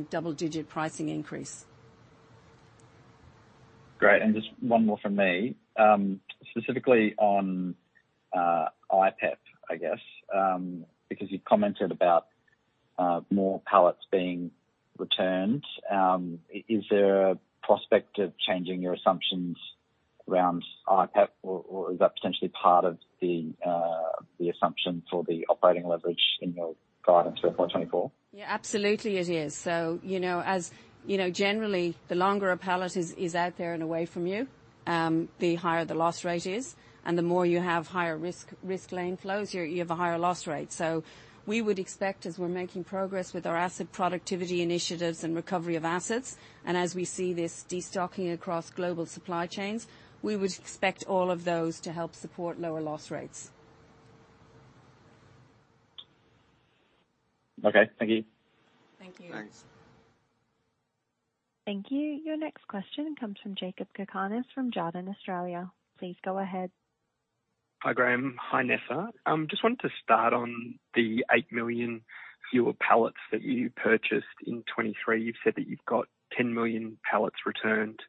double-digit pricing increase. Great. And just one more from me. Specifically on IPEP, I guess. Because you've commented about more pallets being returned. Is there a prospect of changing your assumptions around IPEP, or is that potentially part of the assumption for the operating leverage in your guidance for FY 2024? Yeah, absolutely it is. so as generally, the longer a pallet is out there and away from you, the higher the loss rate is, and the more you have higher risk, risk lane flows, you have a higher loss rate. So we would expect, as we're making progress with our asset productivity initiatives and recovery of assets, and as we see this destocking across global supply chains, we would expect all of those to help support lower loss rates. Okay. Thank you. Thank you. Thanks. Thank you. Your next question comes from Jakob Cakarnis, from Jarden Australia. Please go ahead. Hi, Graham. Hi, Nessa. Just wanted to start on the 8 million fewer pallets that you purchased in 2023. You've said that you've got 10 million pallets returned....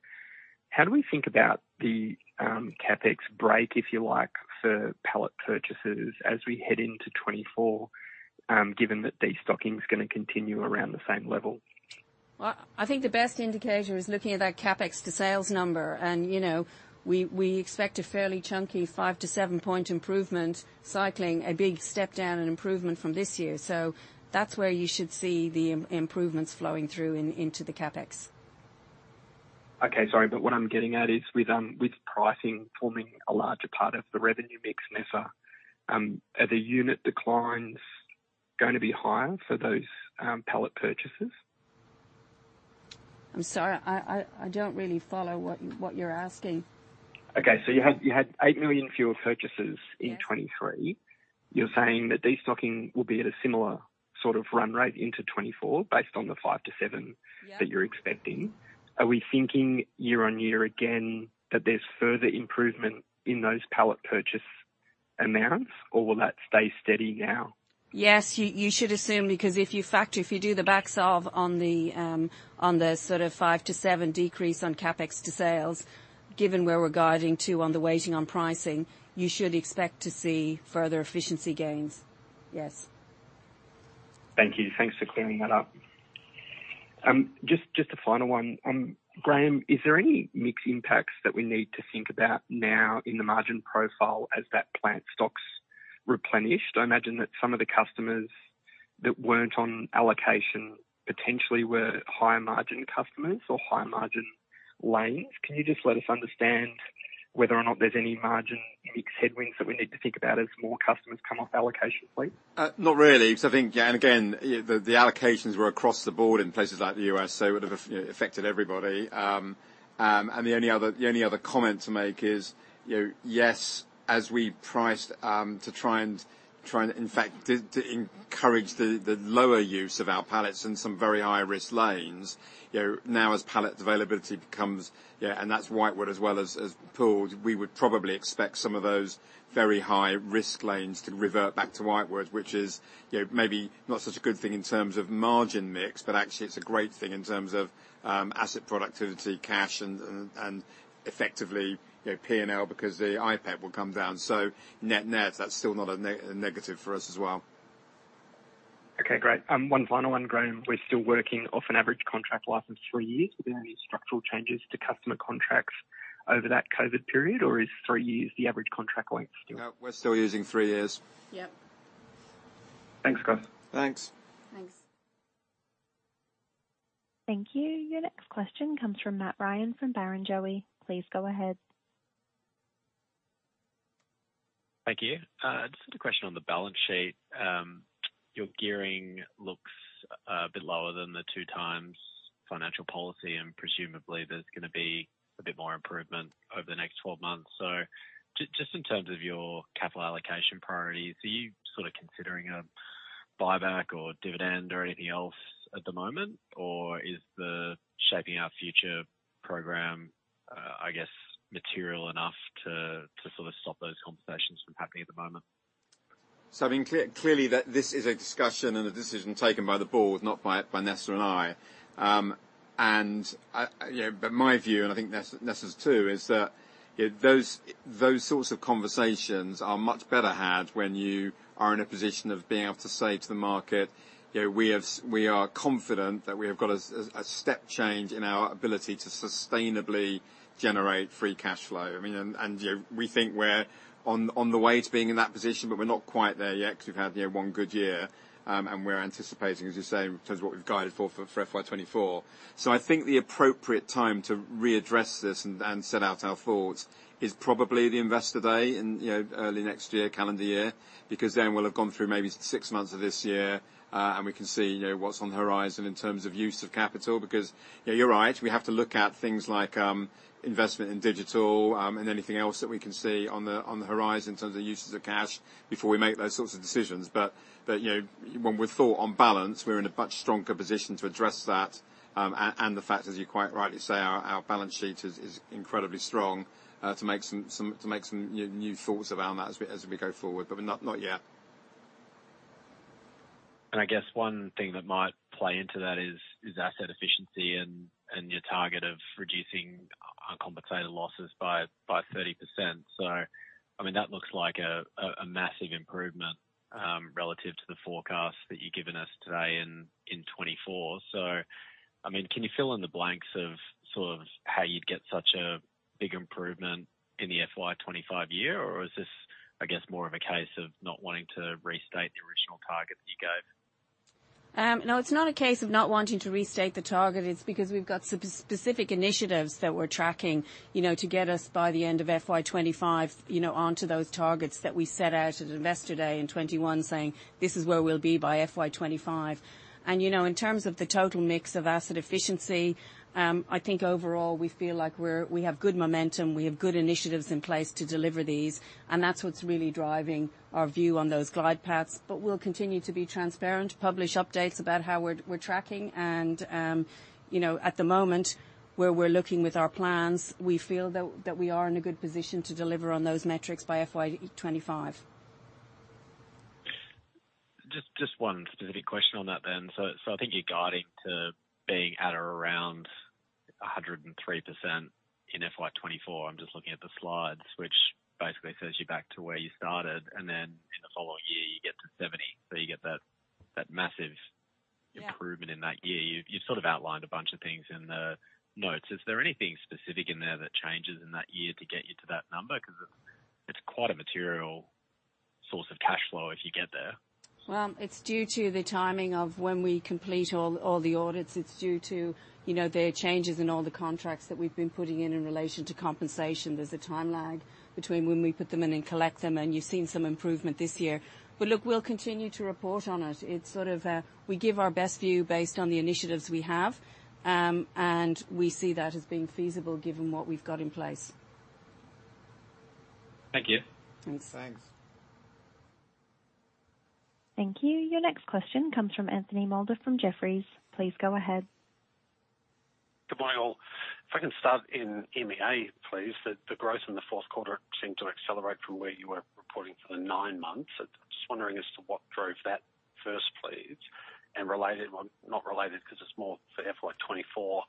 How do we think about the CapEx break, if you like, for pallet purchases as we head into 2024, given that destocking is going to continue around the same level? Well, I think the best indicator is looking at that CapEx to sales number., we expect a fairly chunky 5-7 point improvement, cycling a big step down and improvement from this year. So that's where you should see the improvements flowing through into the CapEx. Okay, sorry. But what I'm getting at is with pricing forming a larger part of the revenue mix, Nessa, are the unit declines going to be higher for those pallet purchases? I'm sorry, I don't really follow what you're asking. Okay. So you had 8 million fewer purchases in 2023. Yeah. You're saying that destocking will be at a similar sort of run rate into 2024, based on the 5-7- Yeah that you're expecting. Are we thinking year-on-year again, that there's further improvement in those pallet purchase amounts, or will that stay steady now? Yes, you should assume, because if you factor, if you do the back solve on the sort of 5-7 decrease on CapEx to sales, given where we're guiding to on the weighting on pricing, you should expect to see further efficiency gains. Yes. Thank you. Thanks for clearing that up. Just a final one. Graham, is there any mix impacts that we need to think about now in the margin profile as that pallet stock's replenished? I imagine that some of the customers that weren't on allocation potentially were higher margin customers or higher margin lanes. Can you just let us understand whether or not there's any margin mix headwinds that we need to think about as more customers come off allocation, please? Not really. So I think, and again, the allocations were across the board in places like the U.S., so it would have affected everybody. And the only other comment to make is yes, as we priced to try and in fact, to encourage the lower use of our pallets in some very high-risk lanes now as pallet availability becomes... Yeah, and that's whitewood as well as pooled, we would probably expect some of those very high-risk lanes to revert back to whitewood, which is maybe not such a good thing in terms of margin mix, but actually it's a great thing in terms of asset productivity, cash and effectively P&L because the IPEP will come down. So net-net, that's still not a negative for us as well. Okay, great. One final one, Graham. We're still working off an average contract life of three years. Yeah. Were there any structural changes to customer contracts over that COVID period, or is three years the average contract length still? No, we're still using three years. Yep. Thanks, guys. Thanks. Thanks. Thank you. Your next question comes from Matt Ryan, from Barrenjoey. Please go ahead. Thank you. Just a question on the balance sheet. Your gearing looks a bit lower than the two times financial policy, and presumably, there's gonna be a bit more improvement over the next 12 months. So just in terms of your capital allocation priorities, are you sort of considering a buyback or dividend or anything else at the moment? Or is the Shaping Our Future program, I guess, material enough to sort of stop those conversations from happening at the moment? So I mean, clearly, this is a discussion and a decision taken by the board, not by Nessa and I. And i but my view, and I think Nessa's too, is that those sorts of conversations are much better had when you are in a position of being able to say to the market:, we are confident that we have got a step change in our ability to sustainably generate free cash flow. I mean, and we think we're on the way to being in that position, but we're not quite there yet because we've had one good year. And we're anticipating, as you say, in terms of what we've guided for FY 2024. So I think the appropriate time to readdress this and set out our thoughts is probably the Investor Day in early next year, calendar year, because then we'll have gone through maybe six months of this year, and we can see what's on the horizon in terms of use of capital. because you're right, we have to look at things like, investment in digital, and anything else that we can see on the horizon in terms of uses of cash before we make those sorts of decisions. but when we're thought on balance, we're in a much stronger position to address that. And the fact, as you quite rightly say, our balance sheet is incredibly strong, to make some new thoughts around that as we go forward, but not yet. I guess one thing that might play into that is asset efficiency and your target of reducing uncompensated losses by 30%. So, I mean, that looks like a massive improvement relative to the forecast that you've given us today in 2024. So, I mean, can you fill in the blanks of sort of how you'd get such a big improvement in the FY 2025 year? Or is this, I guess, more of a case of not wanting to restate the original target that you gave? No, it's not a case of not wanting to restate the target. It's because we've got specific initiatives that we're tracking to get us by the end of FY 2025 onto those targets that we set out at Investor Day in 2021, saying, "This is where we'll be by FY 2025." And, in terms of the total mix of asset efficiency, I think overall, we feel like we have good momentum, we have good initiatives in place to deliver these, and that's what's really driving our view on those glide paths. But we'll continue to be transparent, publish updates about how we're tracking and at the moment, where we're looking with our plans, we feel that we are in a good position to deliver on those metrics by FY 2025.... Just one specific question on that then. So, so I think you're guiding to being at or around 103% in FY 2024. I'm just looking at the slides, which basically takes you back to where you started, and then in the following year, you get to 70. So you get that, that massive- Yeah improvement in that year. You, you sort of outlined a bunch of things in the notes. Is there anything specific in there that changes in that year to get you to that number? 'Cause it's, it's quite a material source of cash flow if you get there. Well, it's due to the timing of when we complete all, all the audits. It's due to there are changes in all the contracts that we've been putting in in relation to compensation. There's a time lag between when we put them in and collect them, and you've seen some improvement this year. But look, we'll continue to report on it. It's sort of, we give our best view based on the initiatives we have, and we see that as being feasible given what we've got in place. Thank you. Thanks. Thanks. Thank you. Your next question comes from Anthony Moulder, from Jefferies. Please go ahead. Good morning, all. If I can start in EMEA, please. The growth in the Q4 seemed to accelerate from where you were reporting for the nine months. I'm just wondering as to what drove that first, please. And related, well, not related, 'cause it's more for FY 2024,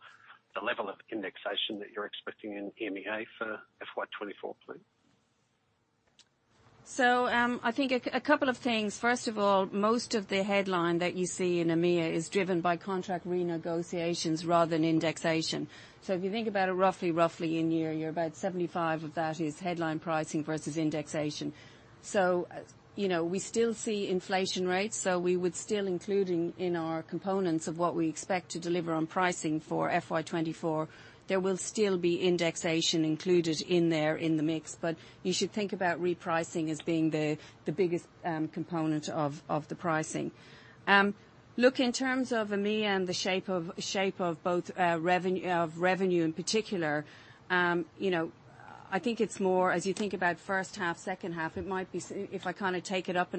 the level of indexation that you're expecting in EMEA for FY 2024, please. So, I think a couple of things. First of all, most of the headline that you see in EMEA is driven by contract renegotiations rather than indexation. So if you think about it, roughly, roughly in year, you're about 75 of that is headline pricing versus indexation. so we still see inflation rates, so we would still including in our components of what we expect to deliver on pricing for FY 2024, there will still be indexation included in there in the mix, but you should think about repricing as being the biggest component of the pricing. Look, in terms of EMEA and the shape of both revenue in particular I think it's more as you think about first half, second half. It might be—if I kind of take it up a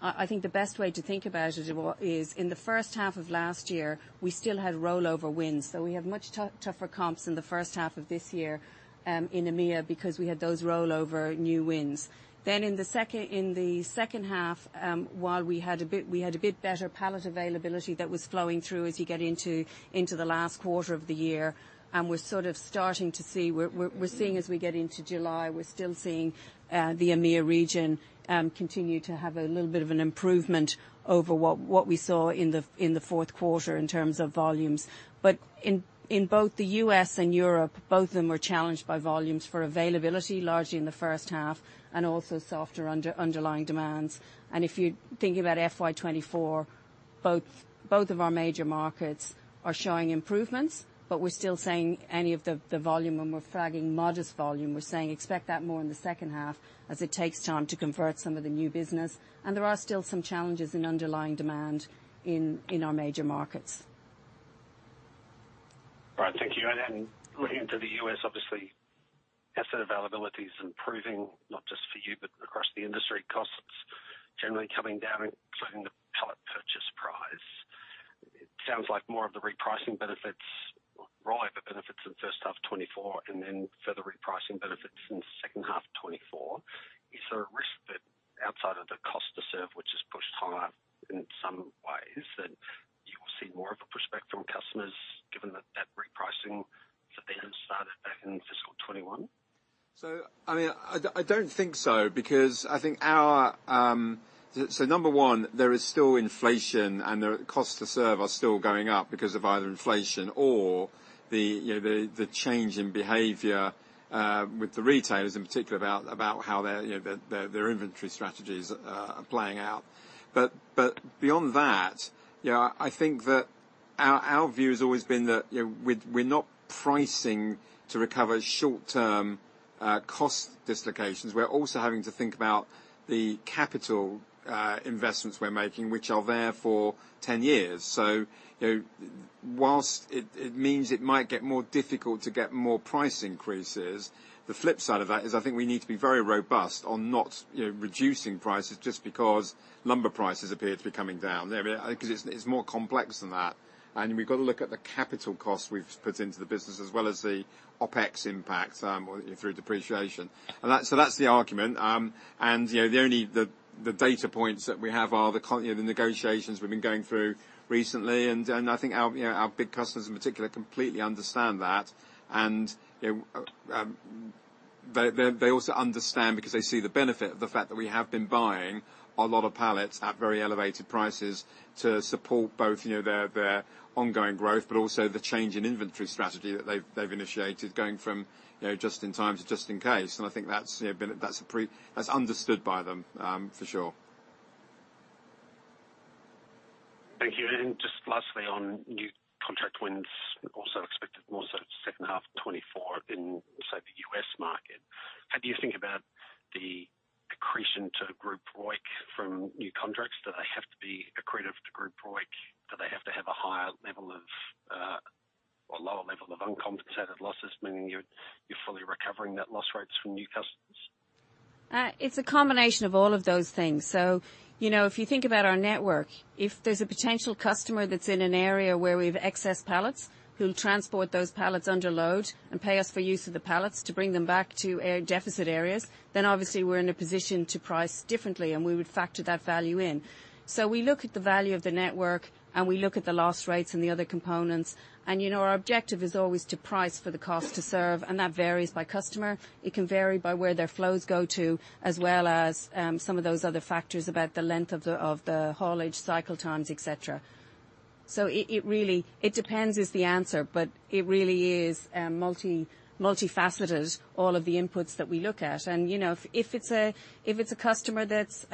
notch—I think the best way to think about it is, in the first half of last year, we still had rollover wins. So we have much tougher comps in the first half of this year in EMEA, because we had those rollover new wins. Then in the second half, while we had a bit better pallet availability that was flowing through as you get into the last quarter of the year, and we're sort of starting to see, we're seeing as we get into July, we're still seeing the EMEA region continue to have a little bit of an improvement over what we saw in the Q4 in terms of volumes. But in both the US and Europe, both of them were challenged by volumes for availability, largely in the first half, and also softer underlying demands. If you're thinking about FY 2024, both of our major markets are showing improvements, but we're still seeing any of the volume, and we're flagging modest volume. We're saying expect that more in the second half as it takes time to convert some of the new business. There are still some challenges in underlying demand in our major markets. All right. Thank you. And then looking into the U.S., obviously, asset availability is improving, not just for you, but across the industry. Costs generally coming down, including the pallet purchase price. It sounds like more of the repricing benefits, ROI, the benefits in the first half of 2024, and then further repricing benefits in the second half of 2024. Is there a risk that outside of the cost to serve, which is pushed higher in some ways, that you will see more of a pushback from customers given that that repricing for them started back in fiscal 2021? So, I mean, I don't, I don't think so, because I think our. So number one, there is still inflation and the costs to serve are still going up because of either inflation or the the, the change in behavior with the retailers in particular about, about how their their, their inventory strategies are playing out. But, but beyond that, yeah, I think that our, our view has always been that we're, we're not pricing to recover short-term cost dislocations. We're also having to think about the capital investments we're making, which are there for 10 years. so while it, it means it might get more difficult to get more price increases, the flip side of that is I think we need to be very robust on not reducing prices just because lumber prices appear to be coming down. Because it's, it's more complex than that, and we've got to look at the capital costs we've put into the business, as well as the OpEx impact through depreciation. And so that's the argument. and the only, the data points that we have are the, the negotiations we've been going through recently. And I think our our big customers in particular, completely understand that., they also understand because they see the benefit of the fact that we have been buying a lot of pallets at very elevated prices to support both their ongoing growth, but also the change in inventory strategy that they've initiated, going from just in time to just in case. I think that's understood by them, for sure. Thank you. And just lastly, on new contract wins, also expected more so second half of 2024 in, say, the U.S. market. How do you think about the accretion to group ROIC from new contracts? Do they have to be accretive to group ROIC? Do they have to have a higher level of, or lower level of uncompensated losses, meaning you're, you're fully recovering net loss rates from new customers? It's a combination of all of those things. so if you think about our network, if there's a potential customer that's in an area where we've excess pallets, who'll transport those pallets under load and pay us for use of the pallets to bring them back to our deficit areas... then obviously, we're in a position to price differently, and we would factor that value in. So we look at the value of the network, and we look at the loss rates and the other components. and our objective is always to price for the cost to serve, and that varies by customer. It can vary by where their flows go to, as well as, some of those other factors about the length of the haulage cycle times, et cetera. So it really depends is the answer, but it really is multifaceted, all of the inputs that we look at. and if it's a customer that's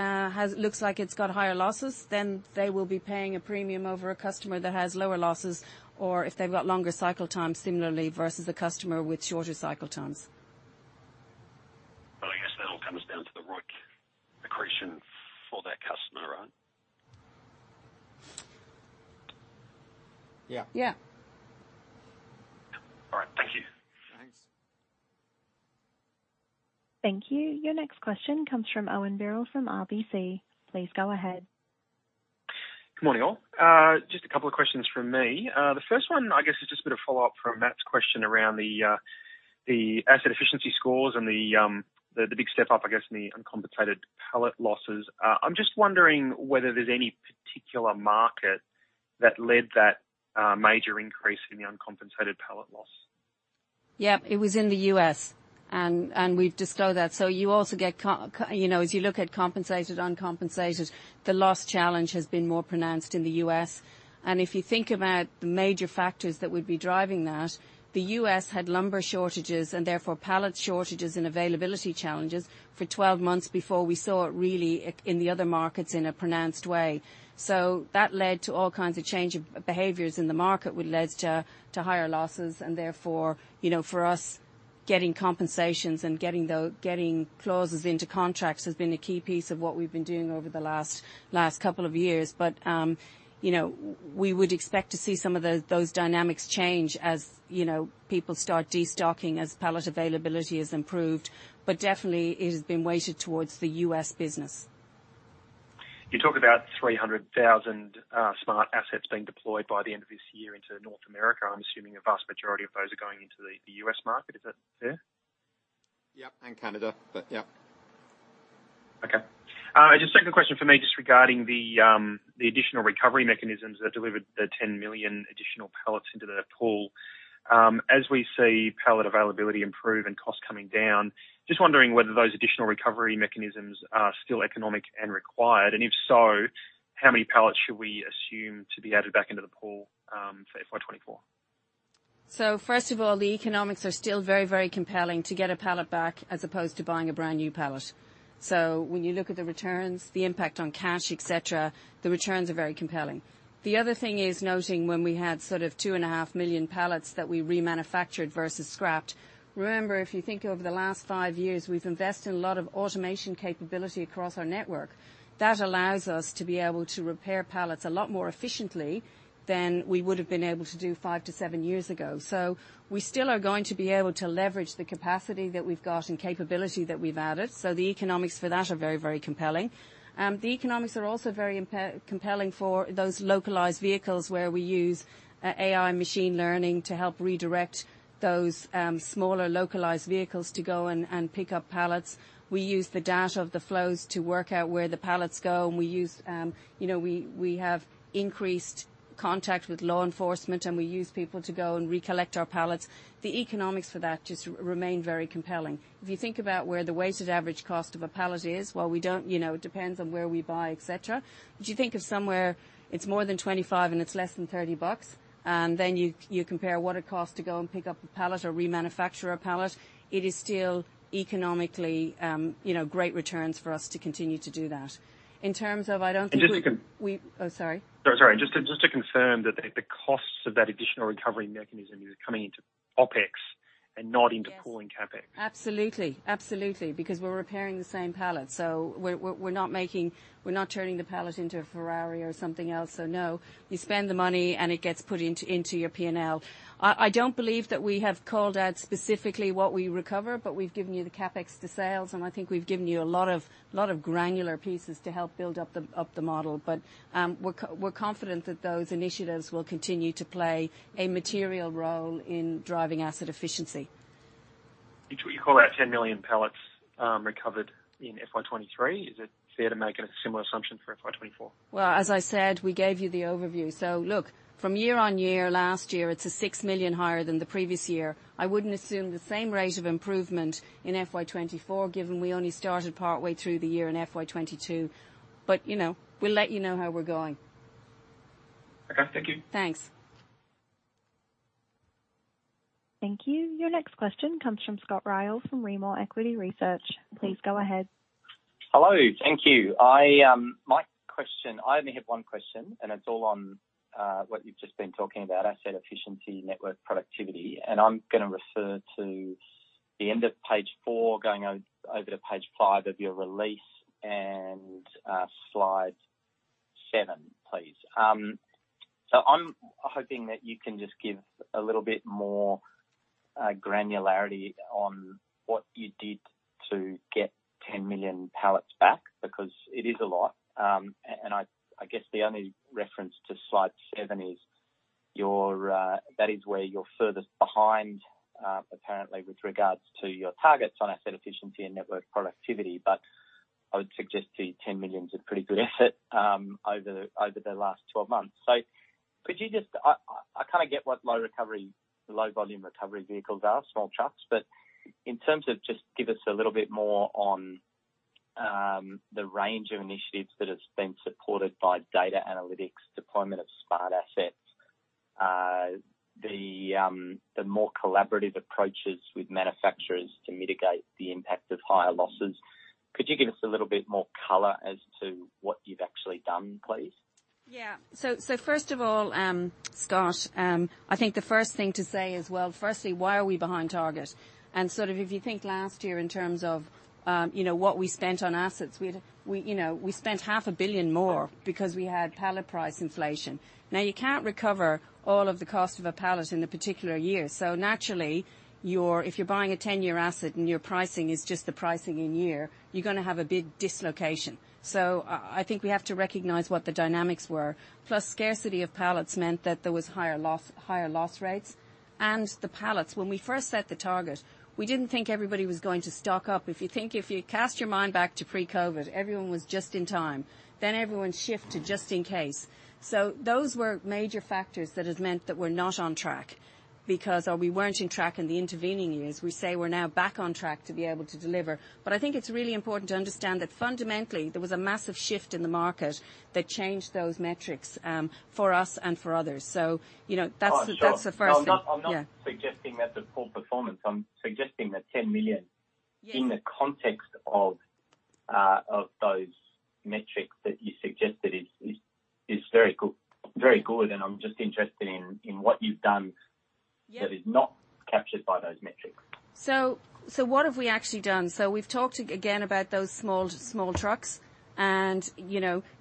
looks like it's got higher losses, then they will be paying a premium over a customer that has lower losses, or if they've got longer cycle times, similarly, versus a customer with shorter cycle times. Well, I guess that all comes down to the right accretion for that customer, right? Yeah. Yeah. All right. Thank you. Thanks. Thank you. Your next question comes from Owen Birrell, from RBC. Please go ahead. Good morning, all. Just a couple of questions from me. The first one, I guess, is just a bit of follow-up from Matt's question around the asset efficiency scores and the big step up, I guess, in the uncompensated pallet losses. I'm just wondering whether there's any particular market that led that major increase in the uncompensated pallet loss. Yeah, it was in the U.S., and we've disclosed that. So you also get as you look at compensated, uncompensated, the loss challenge has been more pronounced in the U.S. And if you think about the major factors that would be driving that, the US had lumber shortages, and therefore pallet shortages and availability challenges for 12 months before we saw it really in the other markets in a pronounced way. So that led to all kinds of change of behaviors in the market, which led to higher losses, and therefore for us, getting compensations and getting clauses into contracts has been a key piece of what we've been doing over the last couple of years. but we would expect to see some of those dynamics change as people start destocking, as pallet availability has improved. But definitely it has been weighted towards the U.S. business. You talk about 300,000 smart assets being deployed by the end of this year into North America. I'm assuming the vast majority of those are going into the U.S. market. Is that fair? Yep, and Canada. But, yep. Okay, just second question for me, just regarding the additional recovery mechanisms that delivered the 10 million additional pallets into the pool. As we see pallet availability improve and costs coming down, just wondering whether those additional recovery mechanisms are still economic and required, and if so, how many pallets should we assume to be added back into the pool, for FY 2024? So first of all, the economics are still very, very compelling to get a pallet back as opposed to buying a brand-new pallet. So when you look at the returns, the impact on cash, et cetera, the returns are very compelling. The other thing is noting when we had sort of 2.5 million pallets that we remanufactured versus scrapped. Remember, if you think over the last five years, we've invested in a lot of automation capability across our network. That allows us to be able to repair pallets a lot more efficiently than we would have been able to do five-seven years ago. So we still are going to be able to leverage the capacity that we've got and capability that we've added, so the economics for that are very, very compelling. The economics are also very compelling for those localized vehicles, where we use AI machine learning to help redirect those smaller localized vehicles to go and pick up pallets. We use the data of the flows to work out where the pallets go, and we use we have increased contact with law enforcement, and we use people to go and recollect our pallets. The economics for that just remain very compelling. If you think about where the weighted average cost of a pallet is, while we don't..., it depends on where we buy, et cetera. But you think of somewhere, it's more than $25, and it's less than $30, and then you, you compare what it costs to go and pick up a pallet or remanufacture a pallet, it is still economically great returns for us to continue to do that. In terms of, I don't think we- Just to con- Oh, sorry. No, sorry. Just to confirm that the costs of that additional recovery mechanism is coming into OpEx and not into pooling CapEx. Absolutely. Absolutely, because we're repairing the same pallet, so we're not turning the pallet into a Ferrari or something else. So no, you spend the money, and it gets put into your PNL. I don't believe that we have called out specifically what we recover, but we've given you the CapEx, the sales, and I think we've given you a lot of granular pieces to help build up the model. But we're confident that those initiatives will continue to play a material role in driving asset efficiency. You call out 10 million pallets recovered in FY 2023. Is it fair to make a similar assumption for FY 2024? Well, as I said, we gave you the overview. So look, from yearon-year, last year, it's $6 million higher than the previous year. I wouldn't assume the same rate of improvement in FY 2024, given we only started partway through the year in FY 2022. but we'll let how we're going. Okay. Thank you. Thanks. Thank you. Your next question comes from Scott Ryall, from Rimor Equity Research. Please go ahead. Hello. Thank you. I, my question—I only have one question, and it's all on, what you've just been talking about, asset efficiency, network productivity, and I'm gonna refer to the end of page four, going over to page five of your release and, slide seven, please. So I'm hoping that you can just give a little bit more, granularity on what you did to get 10 million pallets back, because it is a lot. And I guess the only reference to slide seven is... Your, that is where you're furthest behind, apparently with regards to your targets on asset efficiency and network productivity. But I would suggest to you, 10 million is a pretty good asset, over the last 12 months. So could you just I kind of get what low recovery, low volume recovery vehicles are, small trucks. But in terms of just give us a little bit more on the range of initiatives that have been supported by data analytics, deployment of smart assets, the more collaborative approaches with manufacturers to mitigate the impact of higher losses. Could you give us a little bit more color as to what you've actually done, please? Yeah. So, so first of all, Scott, I think the first thing to say is, well, firstly, why are we behind target? And sort of if you think last year in terms of what we spent on assets we spent $500 million more because we had pallet price inflation. Now, you can't recover all of the cost of a pallet in a particular year. So naturally, you're if you're buying a 10-year asset and your pricing is just the pricing in year, you're going to have a big dislocation. So I think we have to recognize what the dynamics were. Plus, scarcity of pallets meant that there was higher loss, higher loss rates. And the pallets, when we first set the target, we didn't think everybody was going to stock up. If you think, if you cast your mind back to pre-COVID, everyone was just in time, then everyone shifted just in case. So those were major factors that has meant that we're not on track because, or we weren't on track in the intervening years. We say we're now back on track to be able to deliver. But I think it's really important to understand that fundamentally, there was a massive shift in the market that changed those metrics for us and for others. so that's the first thing. Oh, sure. Yeah. I'm not, I'm not suggesting that's a poor performance. I'm suggesting that $10 million- Yeah. In the context of of those metrics that you suggested is very good, very good. And I'm just interested in what you've done- Yeah. that is not captured by those metrics. So, what have we actually done? So we've talked again about those small trucks and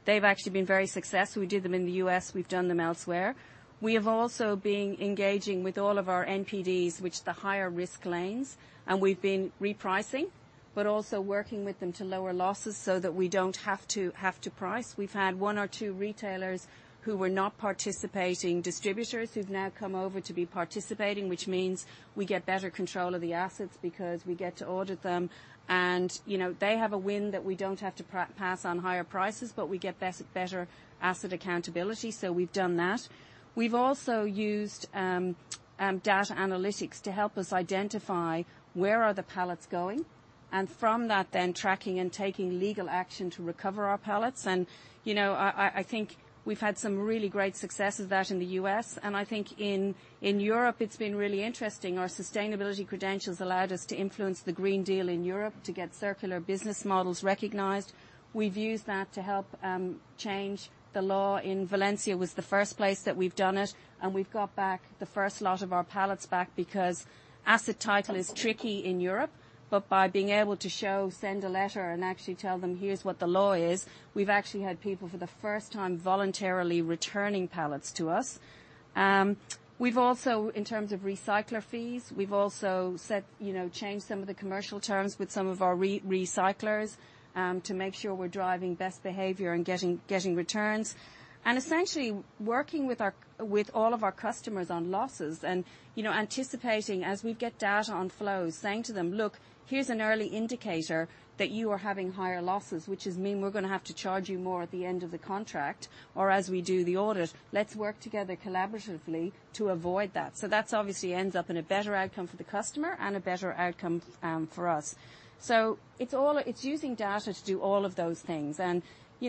they've actually been very successful. We did them in the U.S., we've done them elsewhere. We have also been engaging with all of our NPDs, which the higher risk lanes, and we've been repricing, but also working with them to lower losses so that we don't have to price. We've had one or two retailers who were not participating, distributors who've now come over to be participating, which means we get better control of the assets because we get to audit them. and they have a win that we don't have to pass on higher prices, but we get better asset accountability. So we've done that. We've also used data analytics to help us identify where are the pallets going, and from that, then tracking and taking legal action to recover our pallets. and I think we've had some really great successes with that in the U.S., and I think in Europe it's been really interesting. Our sustainability credentials allowed us to influence the Green Deal in Europe to get circular business models recognized. We've used that to help change the law, in Valencia was the first place that we've done it, and we've got back the first lot of our pallets back because asset title is tricky in Europe, but by being able to show, send a letter and actually tell them, "Here's what the law is," we've actually had people for the first time voluntarily returning pallets to us. We've also, in terms of recycler fees, we've also set changed some of the commercial terms with some of our recyclers, to make sure we're driving best behavior and getting returns. And essentially, working with our, with all of our customers on losses and anticipating as we get data on flows, saying to them: Look, here's an early indicator that you are having higher losses, which means we're going to have to charge you more at the end of the contract, or as we do the audit, let's work together collaboratively to avoid that. So that's obviously ends up in a better outcome for the customer and a better outcome, for us. So it's using data to do all of those things.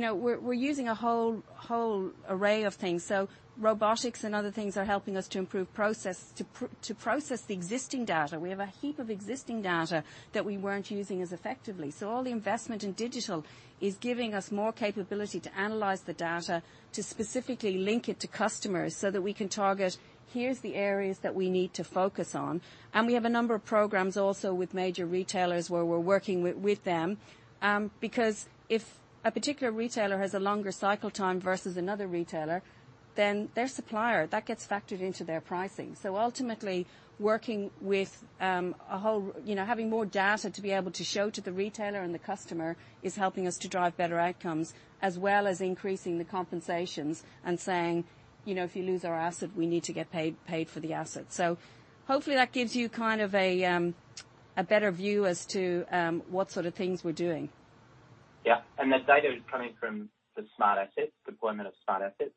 and we're using a whole array of things. So robotics and other things are helping us to improve process, to process the existing data. We have a heap of existing data that we weren't using as effectively. So all the investment in digital is giving us more capability to analyze the data, to specifically link it to customers so that we can target, here's the areas that we need to focus on. And we have a number of programs also with major retailers where we're working with them. Because if a particular retailer has a longer cycle time versus another retailer, then their supplier, that gets factored into their pricing. So ultimately, working with a whole..., having more data to be able to show to the retailer and the customer is helping us to drive better outcomes, as well as increasing the compensations and saying, ", if you lose our asset, we need to get paid, paid for the asset." So hopefully that gives you kind of a, a better view as to, what sort of things we're doing. Yeah. And that data is coming from the smart assets, deployment of smart assets?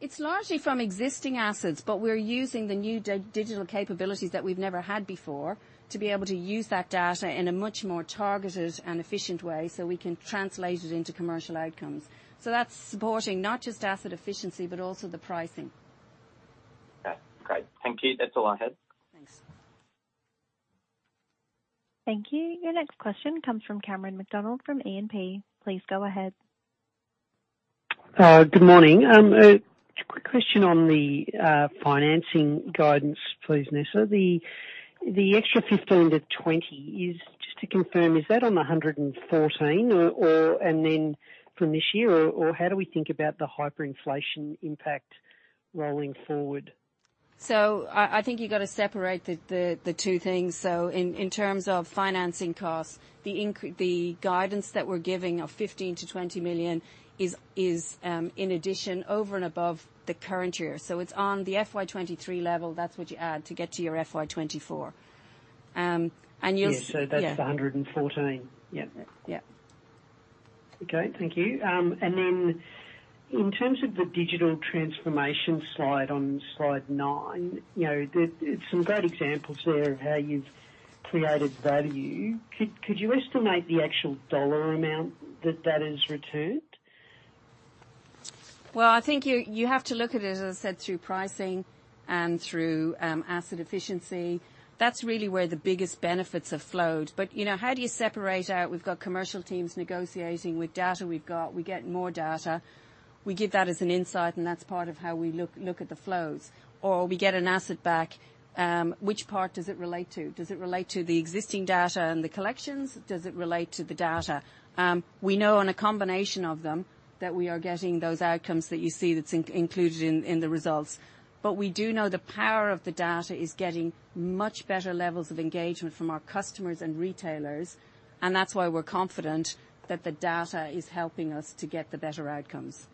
It's largely from existing assets, but we're using the new digital capabilities that we've never had before to be able to use that data in a much more targeted and efficient way, so we can translate it into commercial outcomes. That's supporting not just asset efficiency, but also the pricing. Yeah. Great. Thank you. That's all I had. Thanks. Thank you. Your next question comes from Cameron McDonald, from AMP. Please go ahead. Good morning. Quick question on the financing guidance, please, Nessa. The extra $15-20 is, just to confirm, is that on the $114 or, or, and then from this year? Or, or how do we think about the hyperinflation impact rolling forward? ... So I think you've got to separate the two things. So in terms of financing costs, the guidance that we're giving of $15 million-$20 million is in addition, over and above the current year. So it's on the FY 2023 level. That's what you add to get to your FY 2024. And you'll- Yes, so that's the 114. Yep. Yep. Okay, thank you. And then in terms of the digital transformation slide on slide nine some great examples there of how you've created value. Could you estimate the actual dollar amount that that has returned? Well, I think you have to look at it, as I said, through pricing and through asset efficiency. That's really where the biggest benefits have flowed. but how do you separate out? We've got commercial teams negotiating with data we've got. We get more data. We give that as an insight, and that's part of how we look at the flows. Or we get an asset back, which part does it relate to? Does it relate to the existing data and the collections? Does it relate to the data? We know on a combination of them that we are getting those outcomes that you see that's included in the results. But we do know the power of the data is getting much better levels of engagement from our customers and retailers, and that's why we're confident that the data is helping us to get the better outcomes.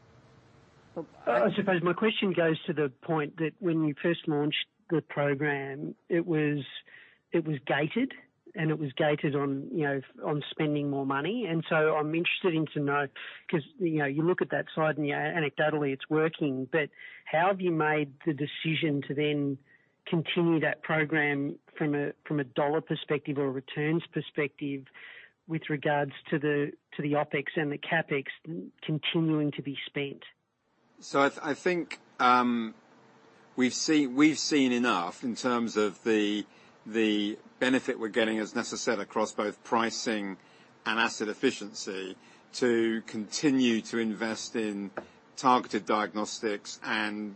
I suppose my question goes to the point that when you first launched the program, it was, it was gated, and it was gated on on spending more money. And so I'm interested to know, because you look at that slide and anecdotally, it's working, but how have you made the decision to then continue that program from a, from a dollar perspective or a returns perspective with regards to the, to the OpEx and the CapEx continuing to be spent? So I think we've seen enough in terms of the benefit we're getting, as Nessa said, across both pricing and asset efficiency, to continue to invest in targeted diagnostics and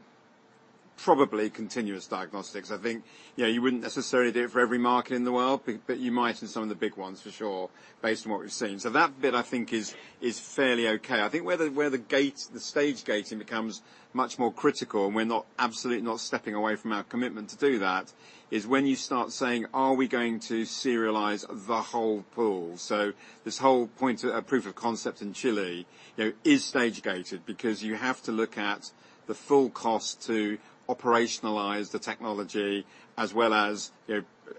probably continuous diagnostics. I think you wouldn't necessarily do it for every market in the world, but you might in some of the big ones for sure, based on what we've seen. So that bit, I think, is fairly okay. I think where the gating, the stage gating becomes much more critical, and we're not absolutely not stepping away from our commitment to do that, is when you start saying: Are we going to serialize the whole pool? So this whole point, proof of concept in chile is stage gated because you have to look at the full cost to operationalize the technology as well as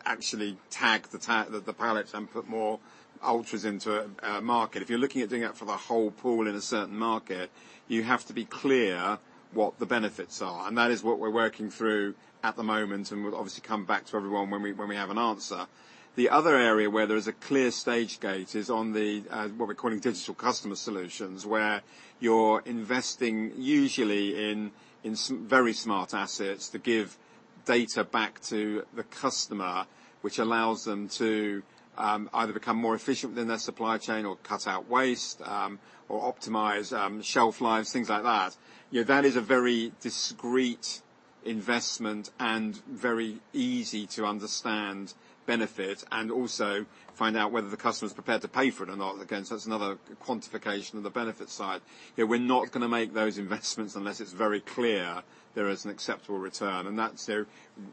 actually tag the pallets and put more ultras into a market. If you're looking at doing that for the whole pool in a certain market, you have to be clear what the benefits are, and that is what we're working through at the moment, and we'll obviously come back to everyone when we have an answer. The other area where there is a clear stage gate is on the what we're calling digital customer solutions, where you're investing usually in very smart assets to give data back to the customer, which allows them to either become more efficient within their supply chain or cut out waste or optimize shelf lives, things like that., that is a very discrete investment and very easy to understand benefit and also find out whether the customer is prepared to pay for it or not. Again, so that's another quantification of the benefit side., we're not going to make those investments unless it's very clear there is an acceptable return, and that's there.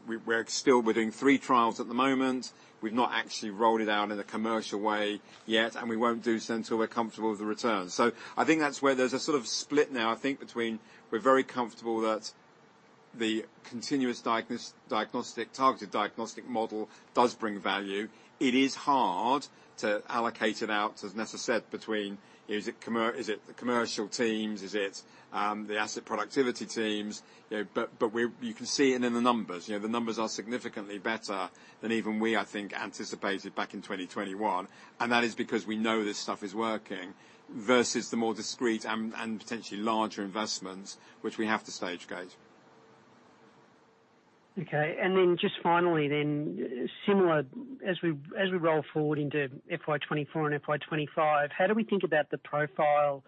We're still doing three trials at the moment. We've not actually rolled it out in a commercial way yet, and we won't do so until we're comfortable with the return. So I think that's where there's a sort of split now, I think between we're very comfortable that the Continuous Diagnostics, Targeted Diagnostics model does bring value. It is hard to allocate it out, as Nessa said, between is it the commercial teams? Is it the asset productivity teams?, but we're, you can see it in the numbers., the numbers are significantly better than even we, I think, anticipated back in 2021, and that is because we know this stuff is working versus the more discrete and potentially larger investments, which we have to stage gate. Okay. And then just finally, then, similar as we, as we roll forward into FY 2024 and FY 2025, how do we think about the profile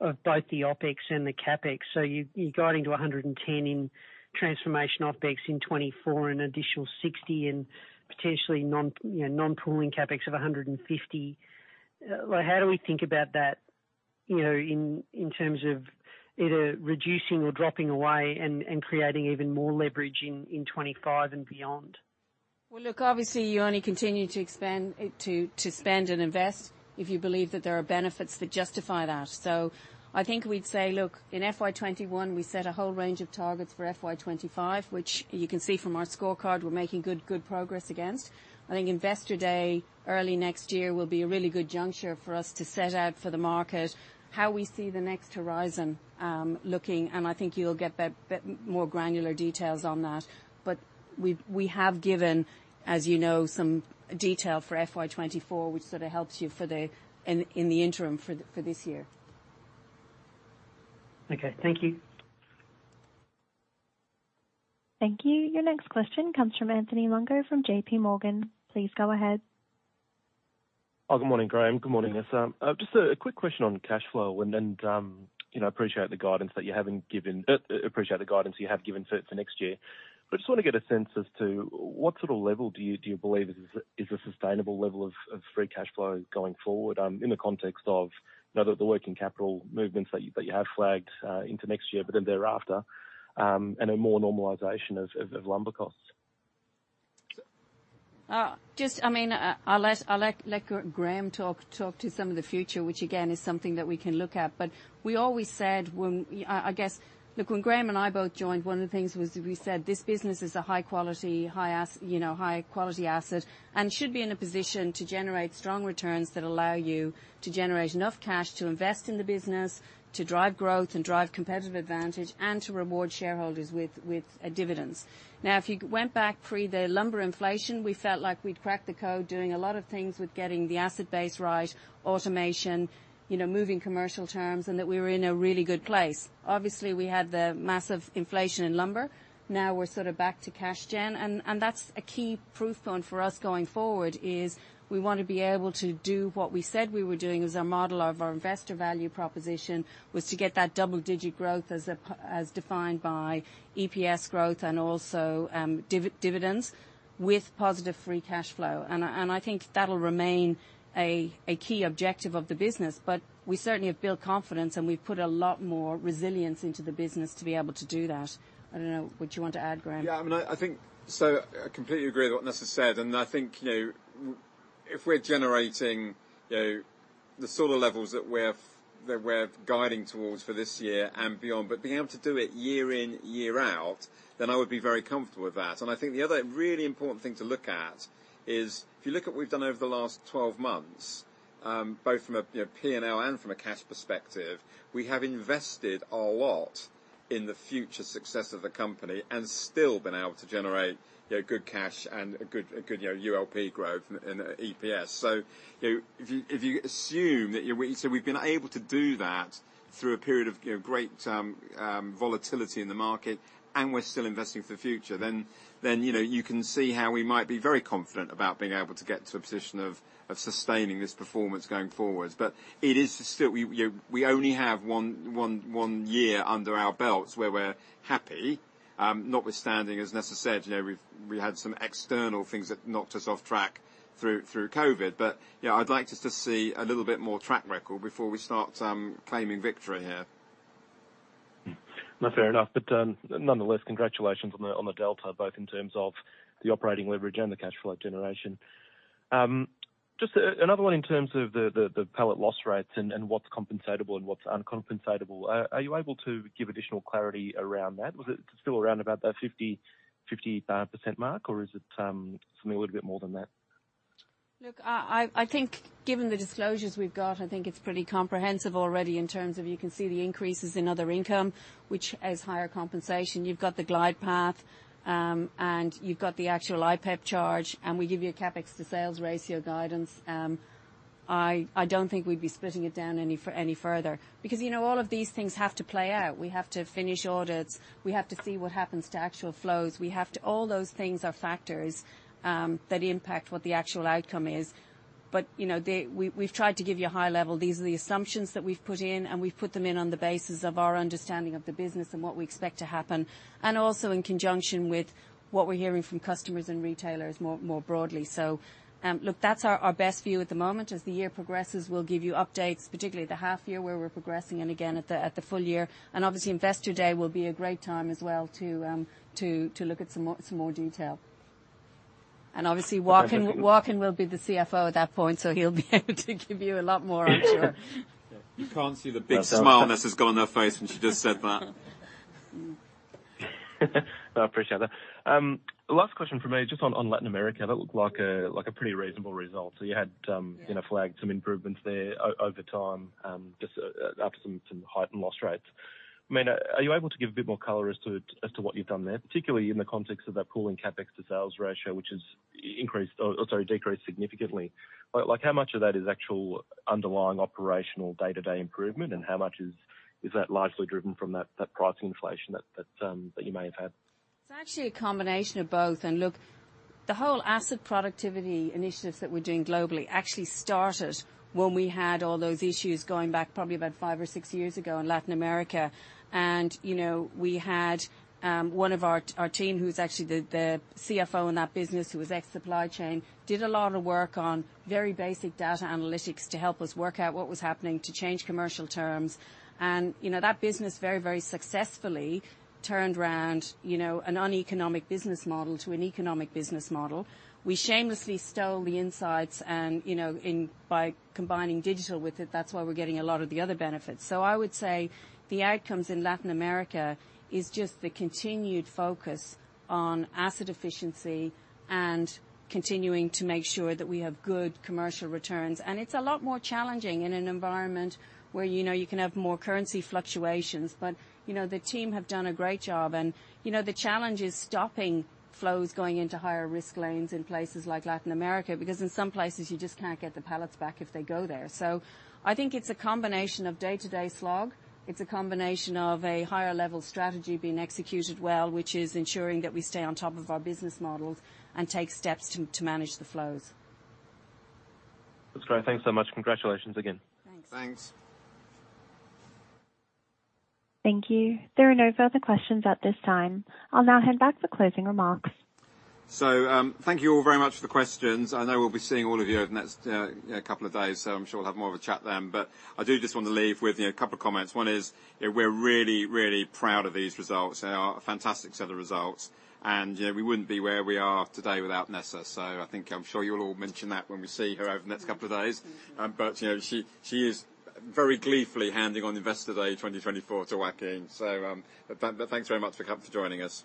of both the OpEx and the CapEx? So you, you guiding to $110 in transformation OpEx in 2024 and additional $60 and potentially non non-pooling CapEx of $150. How do we think about that in, in terms of either reducing or dropping away and, and creating even more leverage in, in 2025 and beyond? Well, look, obviously, you only continue to expand to spend and invest if you believe that there are benefits that justify that. So I think we'd say, look, in FY 2021, we set a whole range of targets for FY 2025, which you can see from our scorecard. We're making good, good progress against. I think Investor Day, early next year, will be a really good juncture for us to set out for the market how we see the next horizon, looking, and I think you'll get that more granular details on that. But we have given, as, some detail for FY 2024, which sort of helps you in the interim for this year. Okay. Thank you. Thank you. Your next question comes from Anthony Longo from JP Morgan. Please go ahead. Oh, good morning, Graham. Good morning, Nessa. Just a quick question on cash flow, and then I appreciate the guidance that you haven't given, appreciate the guidance you have given to next year. But I just want to get a sense as to what sort of level do you believe is a sustainable level of free cash flow going forward, in the context of the working capital movements that you have flagged into next year, but then thereafter, and a more normalization of lumber costs? ... Just, I mean, I'll let Graham talk to some of the future, which again, is something that we can look at. But we always said when I guess, look, when Graham and I both joined, one of the things was we said, this business is a high quality high quality asset and should be in a position to generate strong returns that allow you to generate enough cash to invest in the business, to drive growth and drive competitive advantage, and to reward shareholders with dividends. Now, if you went back pre the lumber inflation, we felt like we'd cracked the code, doing a lot of things with getting the asset base right, automation moving commercial terms, and that we were in a really good place. Obviously, we had the massive inflation in lumber. Now we're sort of back to cash gen, and that's a key proof point for us going forward, is we want to be able to do what we said we were doing as our model of our investor value proposition, was to get that double-digit growth as defined by EPS growth and also dividends with positive free cash flow. And I think that'll remain a key objective of the business. But we certainly have built confidence, and we've put a lot more resilience into the business to be able to do that. I don't know. Would you want to add, Graham? Yeah, I mean, I think so. I completely agree with what Nessa said, and I think if we're generating the sort of levels that we're guiding towards for this year and beyond, but being able to do it year in, year out, then I would be very comfortable with that. And I think the other really important thing to look at is if you look at what we've done over the last 12 months, both from a P&L and from a cash perspective, we have invested a lot in the future success of the company and still been able to generate good cash and a good ULP growth in EPS. so if you assume that we... So we've been able to do that through a period of great volatility in the market, and we're still investing for the future, then you can see how we might be very confident about being able to get to a position of sustaining this performance going forward. But it is still we, we only have one year under our belts where we're happy. Notwithstanding, as Nessa said we had some external things that knocked us off track through COVID. But, yeah, I'd like just to see a little bit more track record before we start claiming victory here. No, fair enough, but nonetheless, congratulations on the delta, both in terms of the operating leverage and the cash flow generation. Just another one in terms of the pallet loss rates and what's compensatable and what's uncompensatable. Are you able to give additional clarity around that? Was it still around about that 50/50 percent mark, or is it something a little bit more than that? Look, I think given the disclosures we've got, I think it's pretty comprehensive already in terms of you can see the increases in other income, which is higher compensation. You've got the glide path, and you've got the actual IPEP charge, and we give you a CapEx to sales ratio guidance. I don't think we'd be splitting it down any further. because all of these things have to play out. We have to finish audits. We have to see what happens to actual flows. We have to... All those things are factors that impact what the actual outcome is. but we've tried to give you a high level. These are the assumptions that we've put in, and we've put them in on the basis of our understanding of the business and what we expect to happen, and also in conjunction with what we're hearing from customers and retailers more, more broadly. So, look, that's our, our best view at the moment. As the year progresses, we'll give you updates, particularly at the half year, where we're progressing, and again, at the, at the full year. And obviously, Investor Day will be a great time as well to, to, to look at some more, some more detail. And obviously, Joaquin- Okay. Joaquin will be the CFO at that point, so he'll be able to give you a lot more, I'm sure. You can't see the big smile Nessa's got on her face when she just said that. I appreciate that. Last question from me, just on, on Latin America, that looked like a, like a pretty reasonable result. So you had flagged some improvements there over time, just, after some heightened loss rates. I mean, are you able to give a bit more color as to what you've done there, particularly in the context of that pooling CapEx to sales ratio, which has increased, or, or sorry, decreased significantly? Like, how much of that is actual underlying operational day-to-day improvement, and how much is that largely driven from that price inflation that you may have had? It's actually a combination of both. And look, the whole asset productivity initiatives that we're doing globally actually started when we had all those issues going back probably about five or six years ago in Latin America. and we had one of our team, who's actually the CFO in that business, who was ex supply chain, did a lot of work on very basic data analytics to help us work out what was happening, to change commercial terms. and that business very, very successfully turned around a non-economic business model to an economic business model. We shamelessly stole the insights and by combining digital with it, that's why we're getting a lot of the other benefits. So I would say the outcomes in Latin America is just the continued focus on asset efficiency and continuing to make sure that we have good commercial returns. And it's a lot more challenging in an environment where you can have more currency fluctuations, but the team have done a great job. and the challenge is stopping flows going into higher risk lanes in places like Latin America, because in some places you just can't get the pallets back if they go there. So I think it's a combination of day-to-day slog. It's a combination of a higher level strategy being executed well, which is ensuring that we stay on top of our business models and take steps to, to manage the flows. That's great. Thanks so much. Congratulations again. Thanks. Thanks. Thank you. There are no further questions at this time. I'll now hand back for closing remarks. So, thank you all very much for the questions. I know we'll be seeing all of you over the next couple of days, so I'm sure we'll have more of a chat then. But I do just want to leave with a couple of comments. One is we're really, really proud of these results. They are a fantastic set of results, and we wouldn't be where we are today without Nessa. So I think I'm sure you'll all mention that when we see her over the next couple of days. but she is very gleefully handing on Investor Day 2024 to Joaquin. So, but thanks very much for coming for joining us.